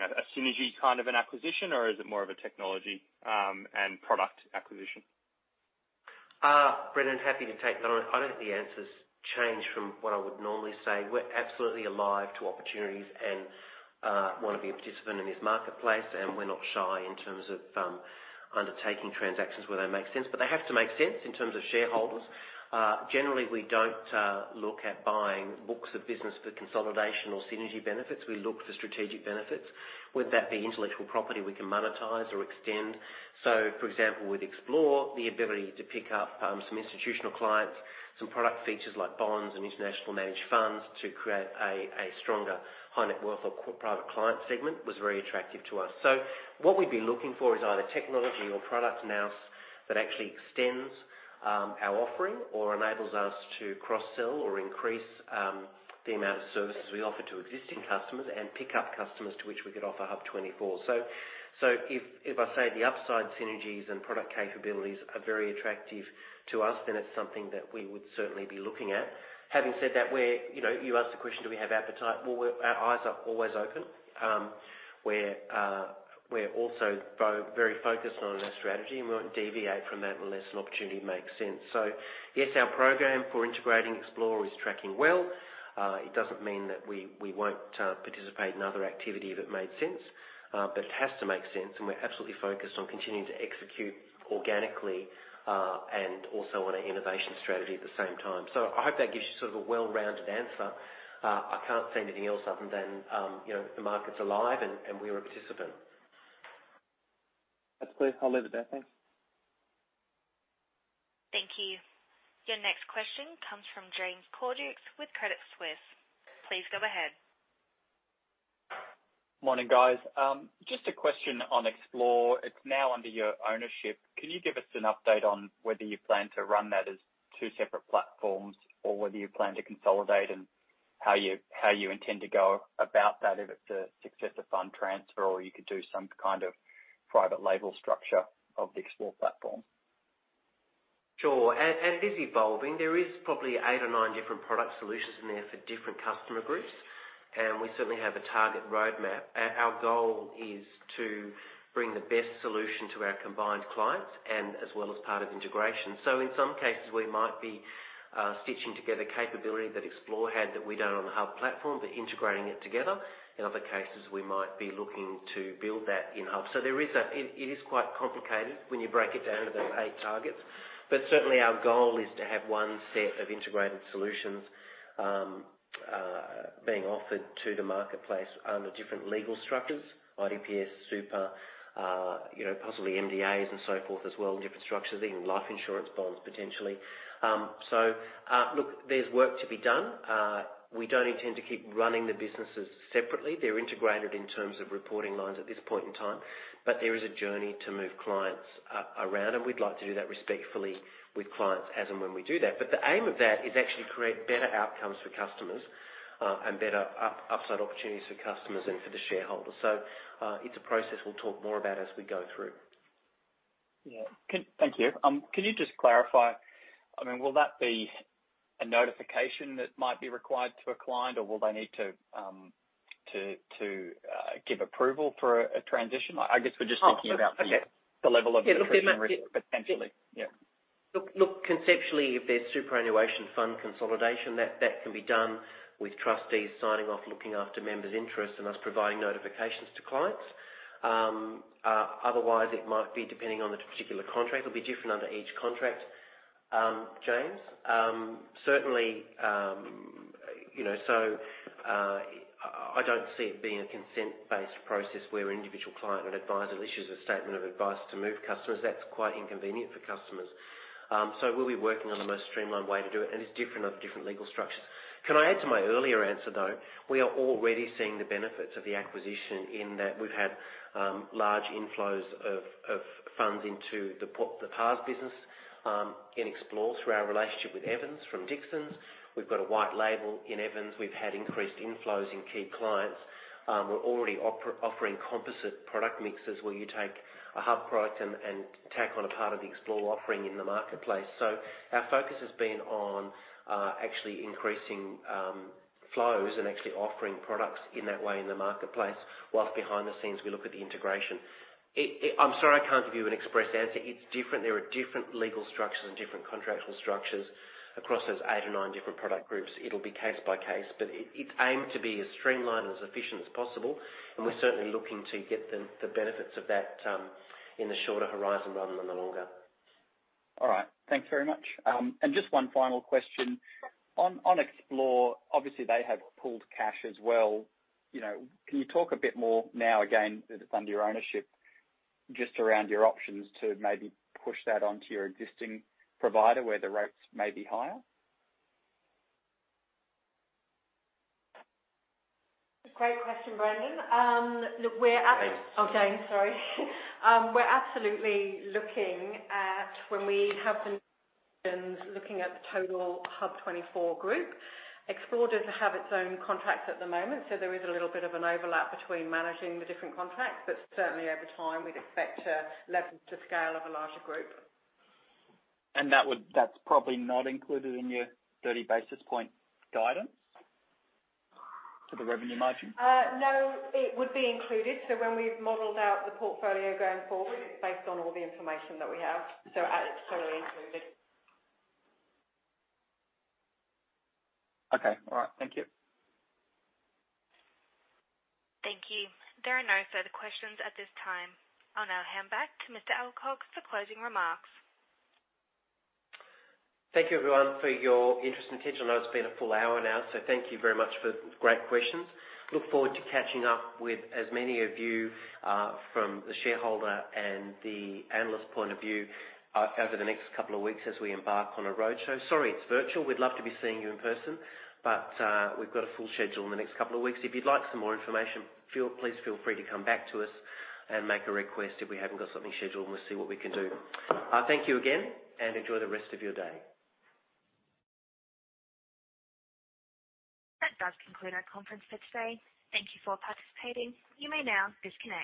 a synergy kind of an acquisition, or is it more of a technology and product acquisition? Brendan, happy to take that on. I don't think the answer's changed from what I would normally say. We're absolutely alive to opportunities and want to be a participant in this marketplace, and we're not shy in terms of undertaking transactions where they make sense. They have to make sense in terms of shareholders. Generally, we don't look at buying books of business for consolidation or synergy benefits. We look for strategic benefits, whether that be intellectual property we can monetize or extend. For example, with Xplore, the ability to pick up some institutional clients, some product features like bonds and international managed funds to create a stronger high-net worth or private client segment was very attractive to us. What we'd be looking for is either technology or product enhancements that actually extends our offering or enables us to cross-sell or increase the amount of services we offer to existing customers and pick up customers to which we could offer HUB24. If I say the upside synergies and product capabilities are very attractive to us, then it's something that we would certainly be looking at. Having said that, you asked the question, do we have appetite? Well, our eyes are always open. We're also very focused on our strategy, and we won't deviate from that unless an opportunity makes sense. Yes, our program for integrating Xplore is tracking well. It doesn't mean that we won't participate in other activity if it made sense. It has to make sense, and we're absolutely focused on continuing to execute organically, and also on our innovation strategy at the same time. I hope that gives you sort of a well-rounded answer. I can't say anything else other than the market's alive and we're a participant. That's clear. I'll leave it there. Thanks. Thank you. Your next question comes from James Cordukes with Credit Suisse. Please go ahead. Morning, guys. Just a question on Xplore. It's now under your ownership. Can you give us an update on whether you plan to run that as two separate platforms or whether you plan to consolidate and how you intend to go about that, if it's a successor fund transfer, or you could do some kind of private label structure of the Xplore platform? Sure. It is evolving. There is probably 8 or 9 different product solutions in there for different customer groups, and we certainly have a target roadmap. Our goal is to bring the best solution to our combined clients and as well as part of integration. In some cases we might be stitching together capability that Xplore had that we don't on the HUB platform, but integrating it together. In other cases, we might be looking to build that in HUB. It is quite complicated when you break it down to those 8 targets. Certainly our goal is to have 1 set of integrated solutions being offered to the marketplace under different legal structures, IDPS, super, possibly MDAs and so forth as well, and different structures, even life insurance bonds, potentially. Look, there's work to be done. We don't intend to keep running the businesses separately. They're integrated in terms of reporting lines at this point in time. There is a journey to move clients around, and we'd like to do that respectfully with clients as and when we do that. The aim of that is actually create better outcomes for customers, and better upside opportunities for customers and for the shareholders. It's a process we'll talk more about as we go through. Yeah. Thank you. Can you just clarify, I mean, will that be a notification that might be required to a client, or will they need to give approval for a transition? Oh, okay. the level of notification risk potentially. Yeah. Look, conceptually, if there's superannuation fund consolidation, that can be done with trustees signing off, looking after members' interests and us providing notifications to clients. Otherwise, it might be depending on the particular contract. It'll be different under each contract, James. I don't see it being a consent-based process where an individual client or an advisor issues a statement of advice to move customers. That's quite inconvenient for customers. We'll be working on the most streamlined way to do it, and it's different on different legal structures. Can I add to my earlier answer, though? We are already seeing the benefits of the acquisition in that we've had large inflows of funds into the PARS business in Xplore through our relationship with Evans & Partners from Dixons. We've got a white label in Evans & Partners. We've had increased inflows in key clients. We're already offering composite product mixes where you take a HUB product and tack on a part of the Xplore offering in the marketplace. Our focus has been on actually increasing flows and actually offering products in that way in the marketplace, whilst behind the scenes, we look at the integration. I'm sorry, I can't give you an express answer. It's different. There are different legal structures and different contractual structures across those 8 or 9 different product groups. It'll be case by case, but it's aimed to be as streamlined and as efficient as possible, and we're certainly looking to get the benefits of that in the shorter horizon rather than the longer. All right. Thanks very much. Just one final question. On Xplore, obviously, they have pooled cash as well. Can you talk a bit more now, again, that it's under your ownership, just around your options to maybe push that onto your existing provider where the rates may be higher? Great question, Brendan. Look, we're at- James. Oh, sorry. We're absolutely looking at the total HUB24 group. Xplore doesn't have its own contracts at the moment, so there is a little bit of an overlap between managing the different contracts, but certainly over time, we'd expect to leverage the scale of a larger group. That's probably not included in your 30 basis point guidance to the revenue margin? No, it would be included. When we've modeled out the portfolio going forward based on all the information that we have, so it's fully included. Okay. All right. Thank you. Thank you. There are no further questions at this time. I'll now hand back to Mr. Alcock for closing remarks. Thank you, everyone, for your interest and attention. I know it's been a full hour now. Thank you very much for the great questions. Look forward to catching up with as many of you, from the shareholder and the analyst point of view, over the next couple of weeks as we embark on a roadshow. Sorry, it's virtual. We'd love to be seeing you in person. We've got a full schedule in the next couple of weeks. If you'd like some more information, please feel free to come back to us and make a request if we haven't got something scheduled. We'll see what we can do. Thank you again. Enjoy the rest of your day. That does conclude our conference for today. Thank you for participating. You may now disconnect.